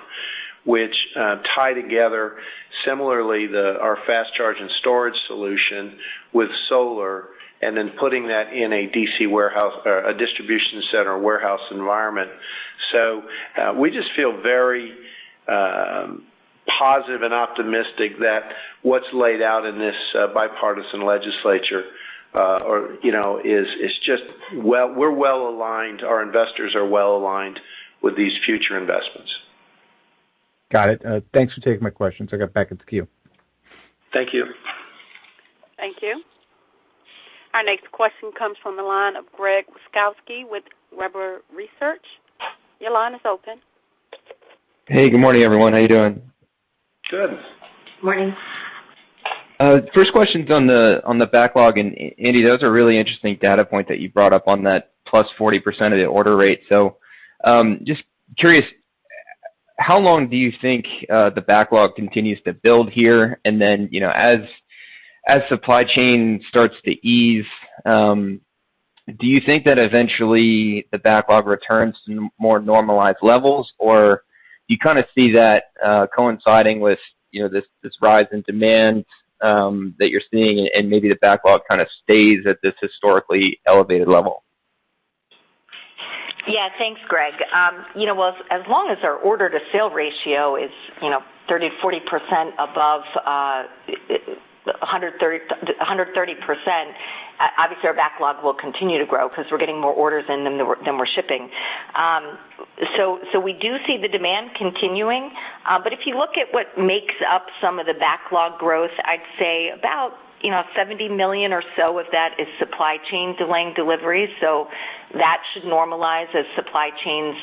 which tie together similarly our fast charge and storage solution with solar, and then putting that in a DC warehouse or a distribution center warehouse environment. We just feel very positive and optimistic that what's laid out in this bipartisan legislation or you know is just well aligned. We're well aligned, our investors are well aligned with these future investments. Got it. Thanks for taking my questions. I'll get back in the queue. Thank you. Thank you. Our next question comes from the line of Greg Wasikowski with Webber Research. Your line is open. Hey, good morning, everyone. How you doing? Good. Morning. First question's on the backlog. Andy, that was a really interesting data point that you brought up on that plus 40% of the order rate. Just curious, how long do you think the backlog continues to build here? Then, you know, as supply chain starts to ease, do you think that eventually the backlog returns to more normalized levels, or you kinda see that coinciding with you know this rise in demand that you're seeing and maybe the backlog kinda stays at this historically elevated level? Yeah. Thanks, Greg. As long as our order to sale ratio is 30%-40% above 130%, obviously our backlog will continue to grow 'cause we're getting more orders in than we're shipping. We do see the demand continuing. If you look at what makes up some of the backlog growth, I'd say. You know, $70 million or so of that is supply chain delaying deliveries. That should normalize as supply chains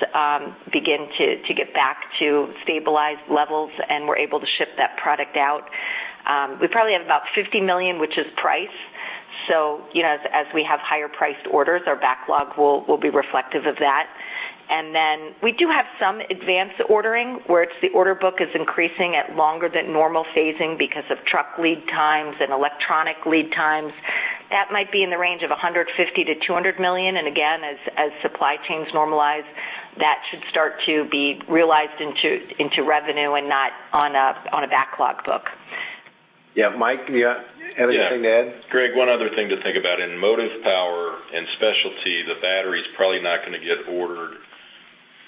begin to get back to stabilized levels, and we're able to ship that product out. We probably have about $50 million, which is price. You know, as we have higher priced orders, our backlog will be reflective of that. Then we do have some advanced ordering, where it's the order book is increasing at longer than normal phasing because of truck lead times and electronic lead times. That might be in the range of $150 million-$200 million. Again, as supply chains normalize, that should start to be realized into revenue and not on a backlog book. Yeah. Mike, do you have anything to add? Yeah. Greg, one other thing to think about in motive power and specialty, the battery is probably not gonna get ordered,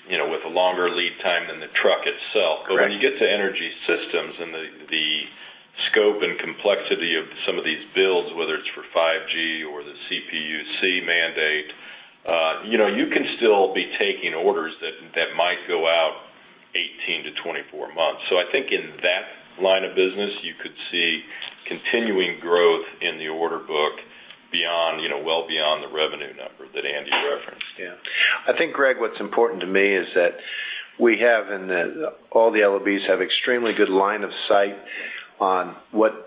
you know, with a longer lead time than the truck itself. Correct. When you get to energy systems and the scope and complexity of some of these builds, whether it's for 5G or the CPUC mandate, you know, you can still be taking orders that might go out 18-24 months. I think in that line of business, you could see continuing growth in the order book beyond, you know, well beyond the revenue number that Andy referenced. Yeah. I think, Greg, what's important to me is that we have and all the LOBs have extremely good line of sight on what's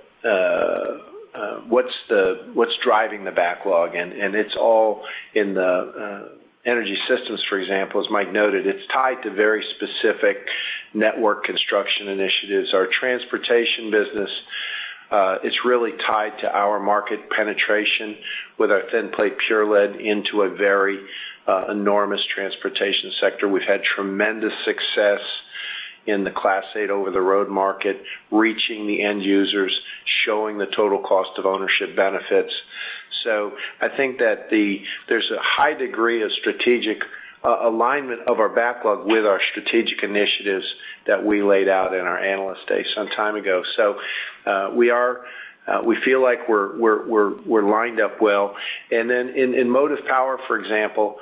driving the backlog, and it's all in the energy systems, for example, as Mike noted. It's tied to very specific network construction initiatives. Our transportation business is really tied to our market penetration with our thin plate pure lead into a very enormous transportation sector. We've had tremendous success in the Class 8 over-the-road market, reaching the end users, showing the total cost of ownership benefits. I think that there's a high degree of strategic alignment of our backlog with our strategic initiatives that we laid out in our Analyst Day some time ago. We feel like we're lined up well. Then in Motive Power, for example,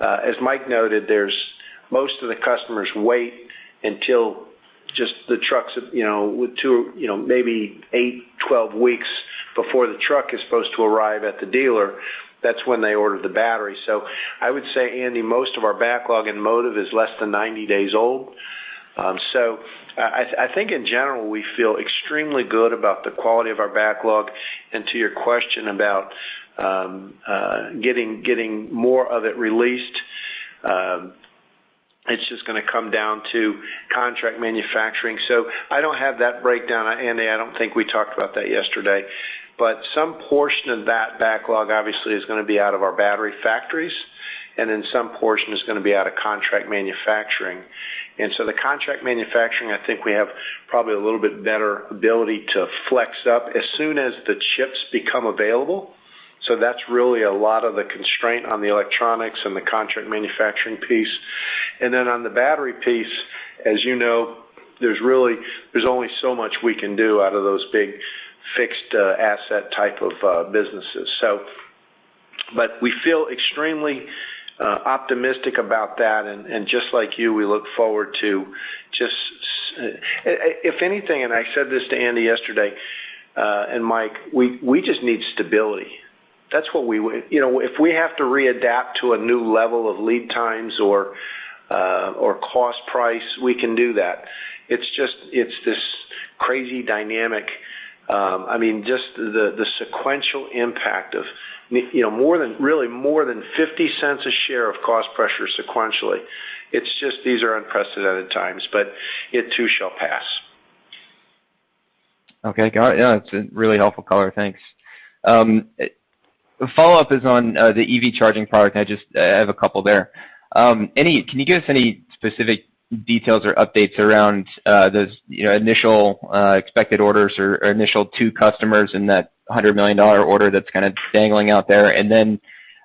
as Mike noted, there most of the customers wait until just the trucks, you know, with two, you know, maybe eight, 12 weeks before the truck is supposed to arrive at the dealer. That's when they order the battery. I would say, Andy, most of our backlog in Motive is less than 90 days old. I think in general, we feel extremely good about the quality of our backlog. To your question about getting more of it released, it's just gonna come down to contract manufacturing. I don't have that breakdown, Andy. I don't think we talked about that yesterday. Some portion of that backlog obviously is gonna be out of our battery factories, and then some portion is gonna be out of contract manufacturing. The contract manufacturing, I think we have probably a little bit better ability to flex up as soon as the chips become available. That's really a lot of the constraint on the electronics and the contract manufacturing piece. On the battery piece, as you know, there's really only so much we can do out of those big fixed asset type of businesses. We feel extremely optimistic about that. Just like you, we look forward to just. If anything, I said this to Andy yesterday and Mike, we just need stability. That's what we. You know, if we have to readapt to a new level of lead times or cost price, we can do that. It's just, it's this crazy dynamic, I mean, just the sequential impact of, you know, more than, really more than $0.50 a share of cost pressure sequentially. It's just these are unprecedented times, but it too shall pass. Okay. Got it. Yeah, it's a really helpful color. Thanks. The follow-up is on the EV charging product. I just have a couple there. Can you give us any specific details or updates around those, you know, initial expected orders or initial two customers in that $100 million order that's kind of dangling out there? Then,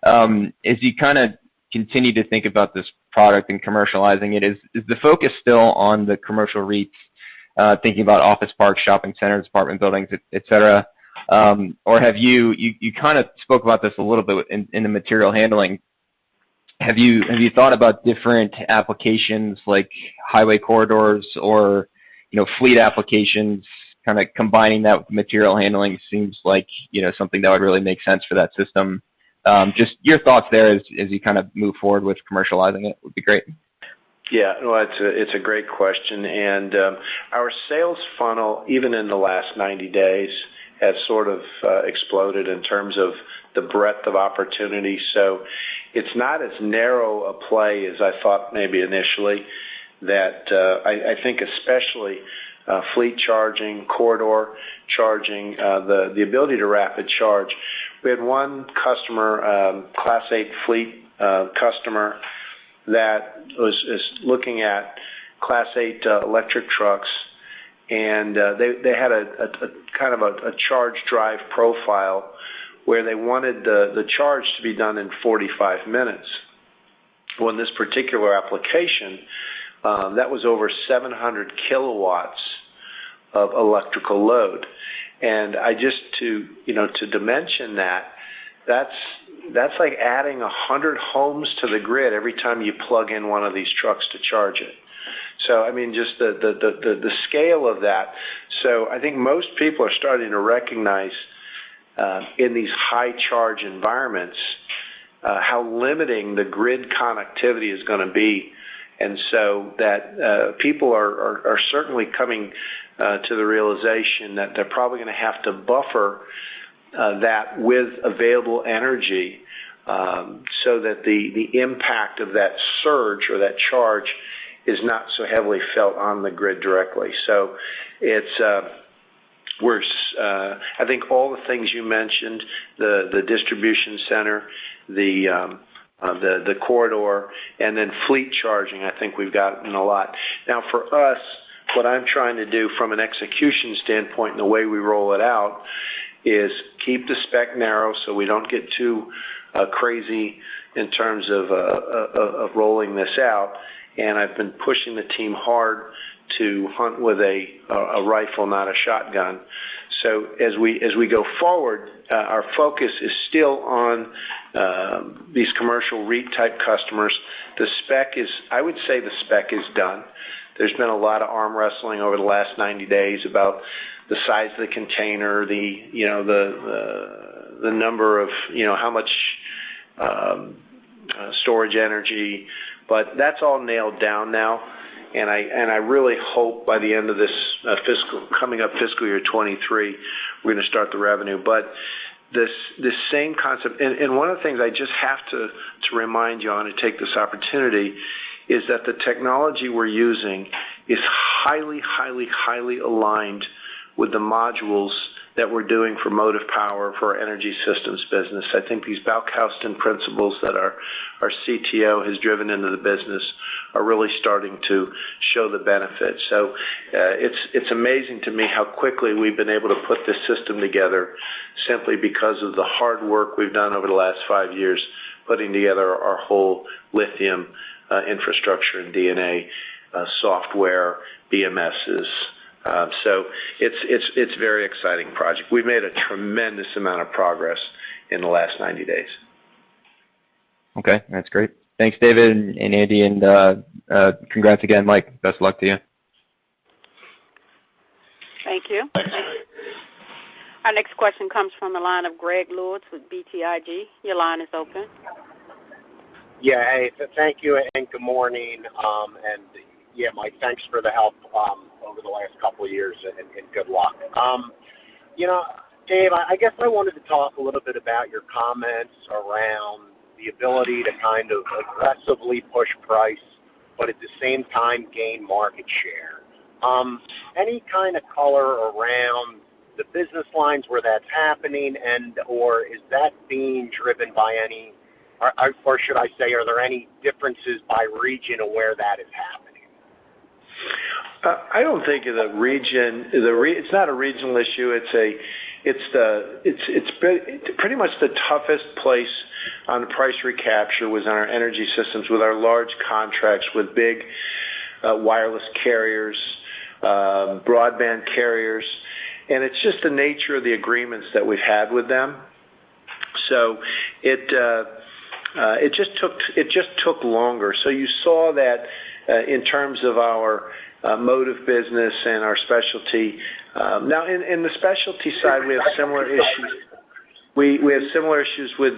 as you kind of continue to think about this product and commercializing it, is the focus still on the commercial REITs, thinking about office parks, shopping centers, apartment buildings, et cetera? Or have you? You kind of spoke about this a little bit in the material handling. Have you thought about different applications like highway corridors or, you know, fleet applications, kind of combining that with material handling seems like, you know, something that would really make sense for that system? Just your thoughts there as you kind of move forward with commercializing it would be great. Well, it's a great question. Our sales funnel, even in the last 90 days, has sort of exploded in terms of the breadth of opportunity. It's not as narrow a play as I thought maybe initially. I think especially fleet charging, corridor charging, the ability to rapid charge. We had one customer, Class 8 fleet customer that is looking at Class 8 electric trucks, and they had a kind of a charge drive profile where they wanted the charge to be done in 45 minutes. Well, in this particular application, that was over 700 kW of electrical load. I just to, you know, to dimension that. That's like adding 100 homes to the grid every time you plug in one of these trucks to charge it. I mean, just the scale of that. I think most people are starting to recognize in these high charge environments how limiting the grid connectivity is gonna be, and so that people are certainly coming to the realization that they're probably gonna have to buffer that with available energy, so that the impact of that surge or that charge is not so heavily felt on the grid directly. It's I think all the things you mentioned, the distribution center, the corridor, and then fleet charging, I think we've gotten a lot. Now, for us, what I'm trying to do from an execution standpoint and the way we roll it out is keep the spec narrow so we don't get too crazy in terms of rolling this out. I've been pushing the team hard to hunt with a rifle, not a shotgun. As we go forward, our focus is still on these commercial REIT-type customers. The spec is. I would say the spec is done. There's been a lot of arm wrestling over the last 90 days about the size of the container, the, you know, the number of, you know, how much storage energy. That's all nailed down now, and I really hope by the end of this fiscal, coming up fiscal year 2023, we're gonna start the revenue. This same concept one of the things I just have to remind you on and take this opportunity is that the technology we're using is highly aligned with the modules that we're doing for motive power for our energy systems business. I think these Balkauskas principles that our CTO has driven into the business are really starting to show the benefits. Its amazing to me how quickly we have been able to put the system together. Simply because of the hard work we have done over the last five years. Putting together our whole lithium infrastructure in DNA software, BMS. It's very exciting project. We've made a tremendous amount of progress in the last 90 days. Okay. That's great. Thanks, David and Andy, and congrats again, Mike. Best of luck to you. Thank you. Our next question comes from the line of Greg Lewis with BTIG. Your line is open. Yeah. Hey, thank you, and good morning. Yeah, Mike, thanks for the help over the last couple years and good luck. You know, Dave, I guess I wanted to talk a little bit about your comments around the ability to kind of aggressively push price, but at the same time gain market share. Any kind of color around the business lines where that's happening, or is that being driven by any. Or should I say, are there any differences by region of where that is happening. I don't think it's a regional issue. It's pretty much the toughest place on price recapture was on our energy systems with our large contracts with big wireless carriers, broadband carriers, and it's just the nature of the agreements that we've had with them. It just took longer. You saw that in terms of our motive business and our specialty. Now in the specialty side, we have similar issues. We have similar issues with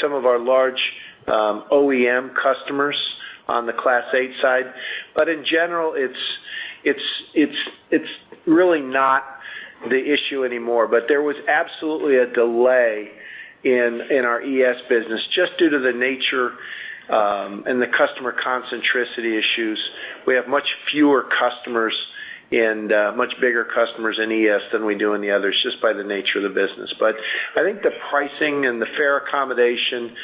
some of our large OEM customers on the Class 8 side. In general, it's really not the issue anymore. There was absolutely a delay in our ES business just due to the nature and the customer concentration issues. We have much fewer customers and much bigger customers in ES than we do in the others, just by the nature of the business. I think the pricing and the fair accommodation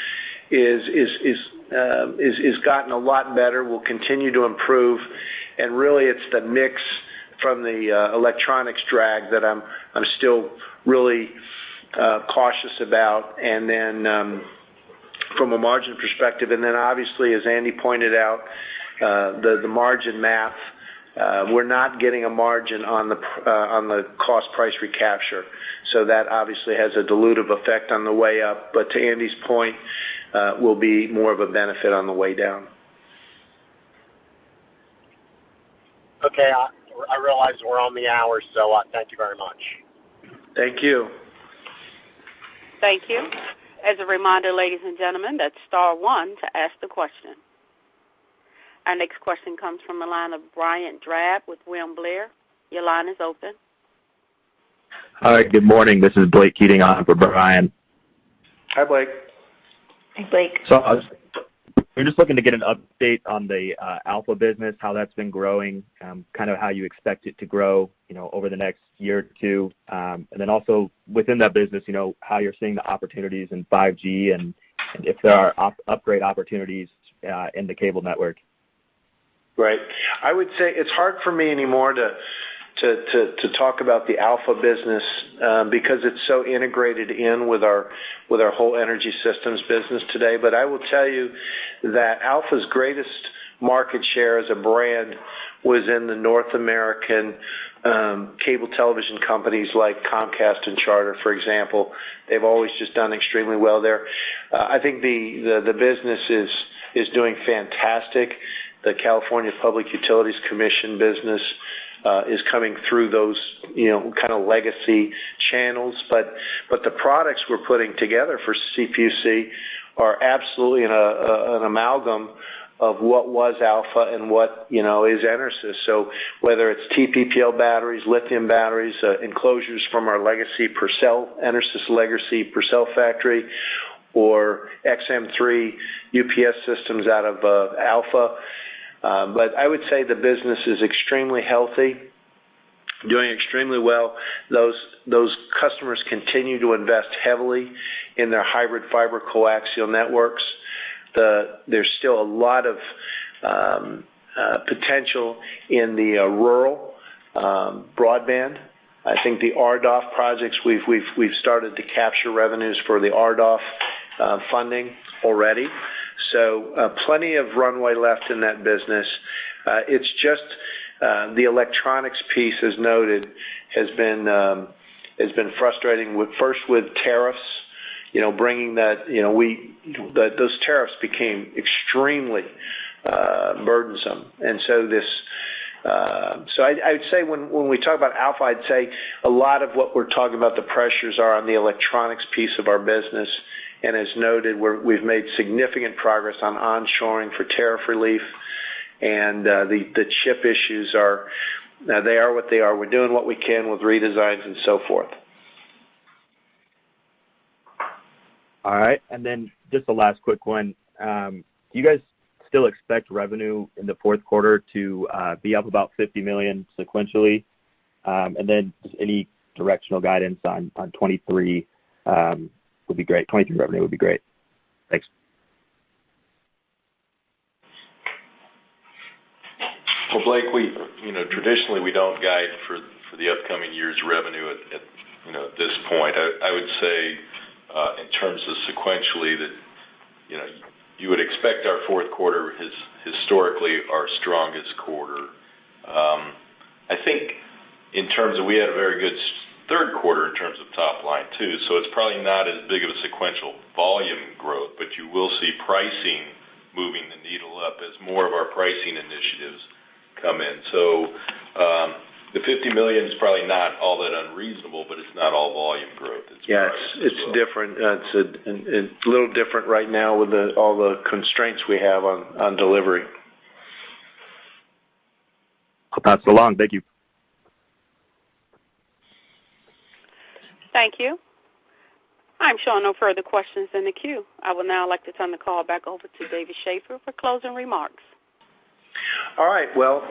is gotten a lot better. We'll continue to improve. Really, it's the mix from the electronics drag that I'm still really cautious about, and then from a margin perspective. Obviously, as Andy pointed out, the margin math, we're not getting a margin on the cost price recapture. That obviously has a dilutive effect on the way up, but to Andy's point, will be more of a benefit on the way down. Okay. I realize we're on the hour, so thank you very much. Thank you. Thank you. As a reminder, ladies and gentlemen, that's star one to ask the question. Our next question comes from the line of Brian Drab with William Blair. Your line is open. All right. Good morning. This is Blake Keating on for Brian. Hi, Blake. Hi, Blake. We're just looking to get an update on the Alpha business, how that's been growing, kind of how you expect it to grow, you know, over the next year or two. Also within that business, you know, how you're seeing the opportunities in 5G and if there are upgrade opportunities in the cable network? Right. I would say it's hard for me anymore to talk about the Alpha business, because it's so integrated in with our whole energy systems business today. I will tell you that Alpha's greatest market share as a brand was in the North American cable television companies like Comcast and Charter, for example. They've always just done extremely well there. I think the business is doing fantastic. The California Public Utilities Commission business is coming through those, you know, kind of legacy channels. The products we're putting together for CPUC are absolutely in a amalgam of what was Alpha and what, you know, is EnerSys. whether it's TPPL batteries, lithium batteries, enclosures from our legacy Purcell, EnerSys legacy Purcell factory, or XM3 UPS systems out of Alpha. I would say the business is extremely healthy, doing extremely well. Those customers continue to invest heavily in their hybrid fiber coaxial networks. There's still a lot of potential in the rural broadband. I think the RDOF projects, we've started to capture revenues for the RDOF funding already. Plenty of runway left in that business. It's just the electronics piece, as noted, has been frustrating with tariffs, you know, bringing that, you know, that those tariffs became extremely burdensome. I'd say when we talk about Alpha, a lot of what we're talking about, the pressures are on the electronics piece of our business. As noted, we've made significant progress on onshoring for tariff relief. The chip issues are what they are. We're doing what we can with redesigns and so forth. All right. Just a last quick one. Do you guys still expect revenue in the fourth quarter to be up about $50 million sequentially? Just any directional guidance on 2023 would be great. 2023 revenue would be great? Thanks. Well, Blake, we, you know, traditionally, we don't guide for the upcoming year's revenue at this point. I would say in terms of sequentially that, you know, you would expect our fourth quarter is historically our strongest quarter. I think in terms of we had a very good third quarter in terms of top line, too, so it's probably not as big of a sequential volume growth, but you will see pricing moving the needle up as more of our pricing initiatives come in. The $50 million is probably not all that unreasonable, but it's not all volume growth. Yes, it's different. It's a little different right now with all the constraints we have on delivery. So long. Thank you. Thank you. I'm showing no further questions in the queue. I would now like to turn the call back over to David Shaffer for closing remarks. All right. Well,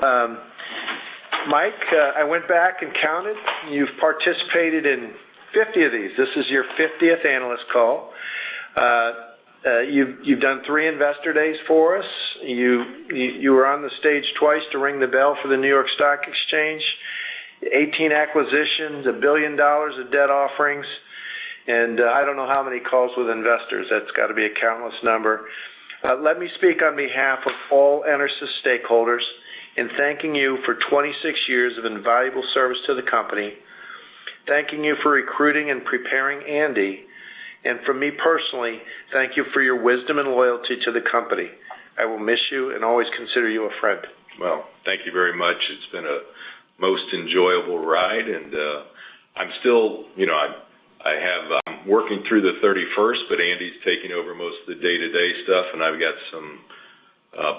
Mike, I went back and counted. You've participated in 50 of these. This is your 50th analyst call. You've done three investor days for us. You were on the stage twice to ring the bell for the New York Stock Exchange. 18 acquisitions, $1 billion of debt offerings, and I don't know how many calls with investors. That's gotta be a countless number. Let me speak on behalf of all EnerSys stakeholders in thanking you for 26 years of invaluable service to the company, thanking you for recruiting and preparing Andy, and for me personally, thank you for your wisdom and loyalty to the company. I will miss you and always consider you a friend. Well, thank you very much. It's been a most enjoyable ride, and I'm still, you know, I have, I'm working through the 31st, but Andy's taking over most of the day-to-day stuff, and I've got some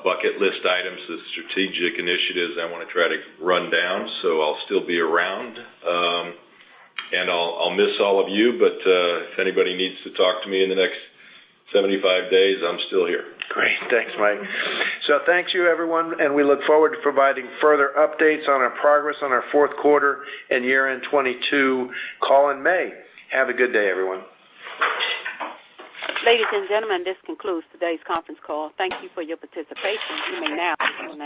bucket list items as strategic initiatives I wanna try to run down. I'll still be around. I'll miss all of you, but if anybody needs to talk to me in the next 75 days, I'm still here. Great. Thanks, Mike. Thank you, everyone, and we look forward to providing further updates on our progress on our fourth quarter and year-end 2022 call in May. Have a good day, everyone. Ladies and gentlemen, this concludes today's conference call. Thank you for your participation. You may now disconnect.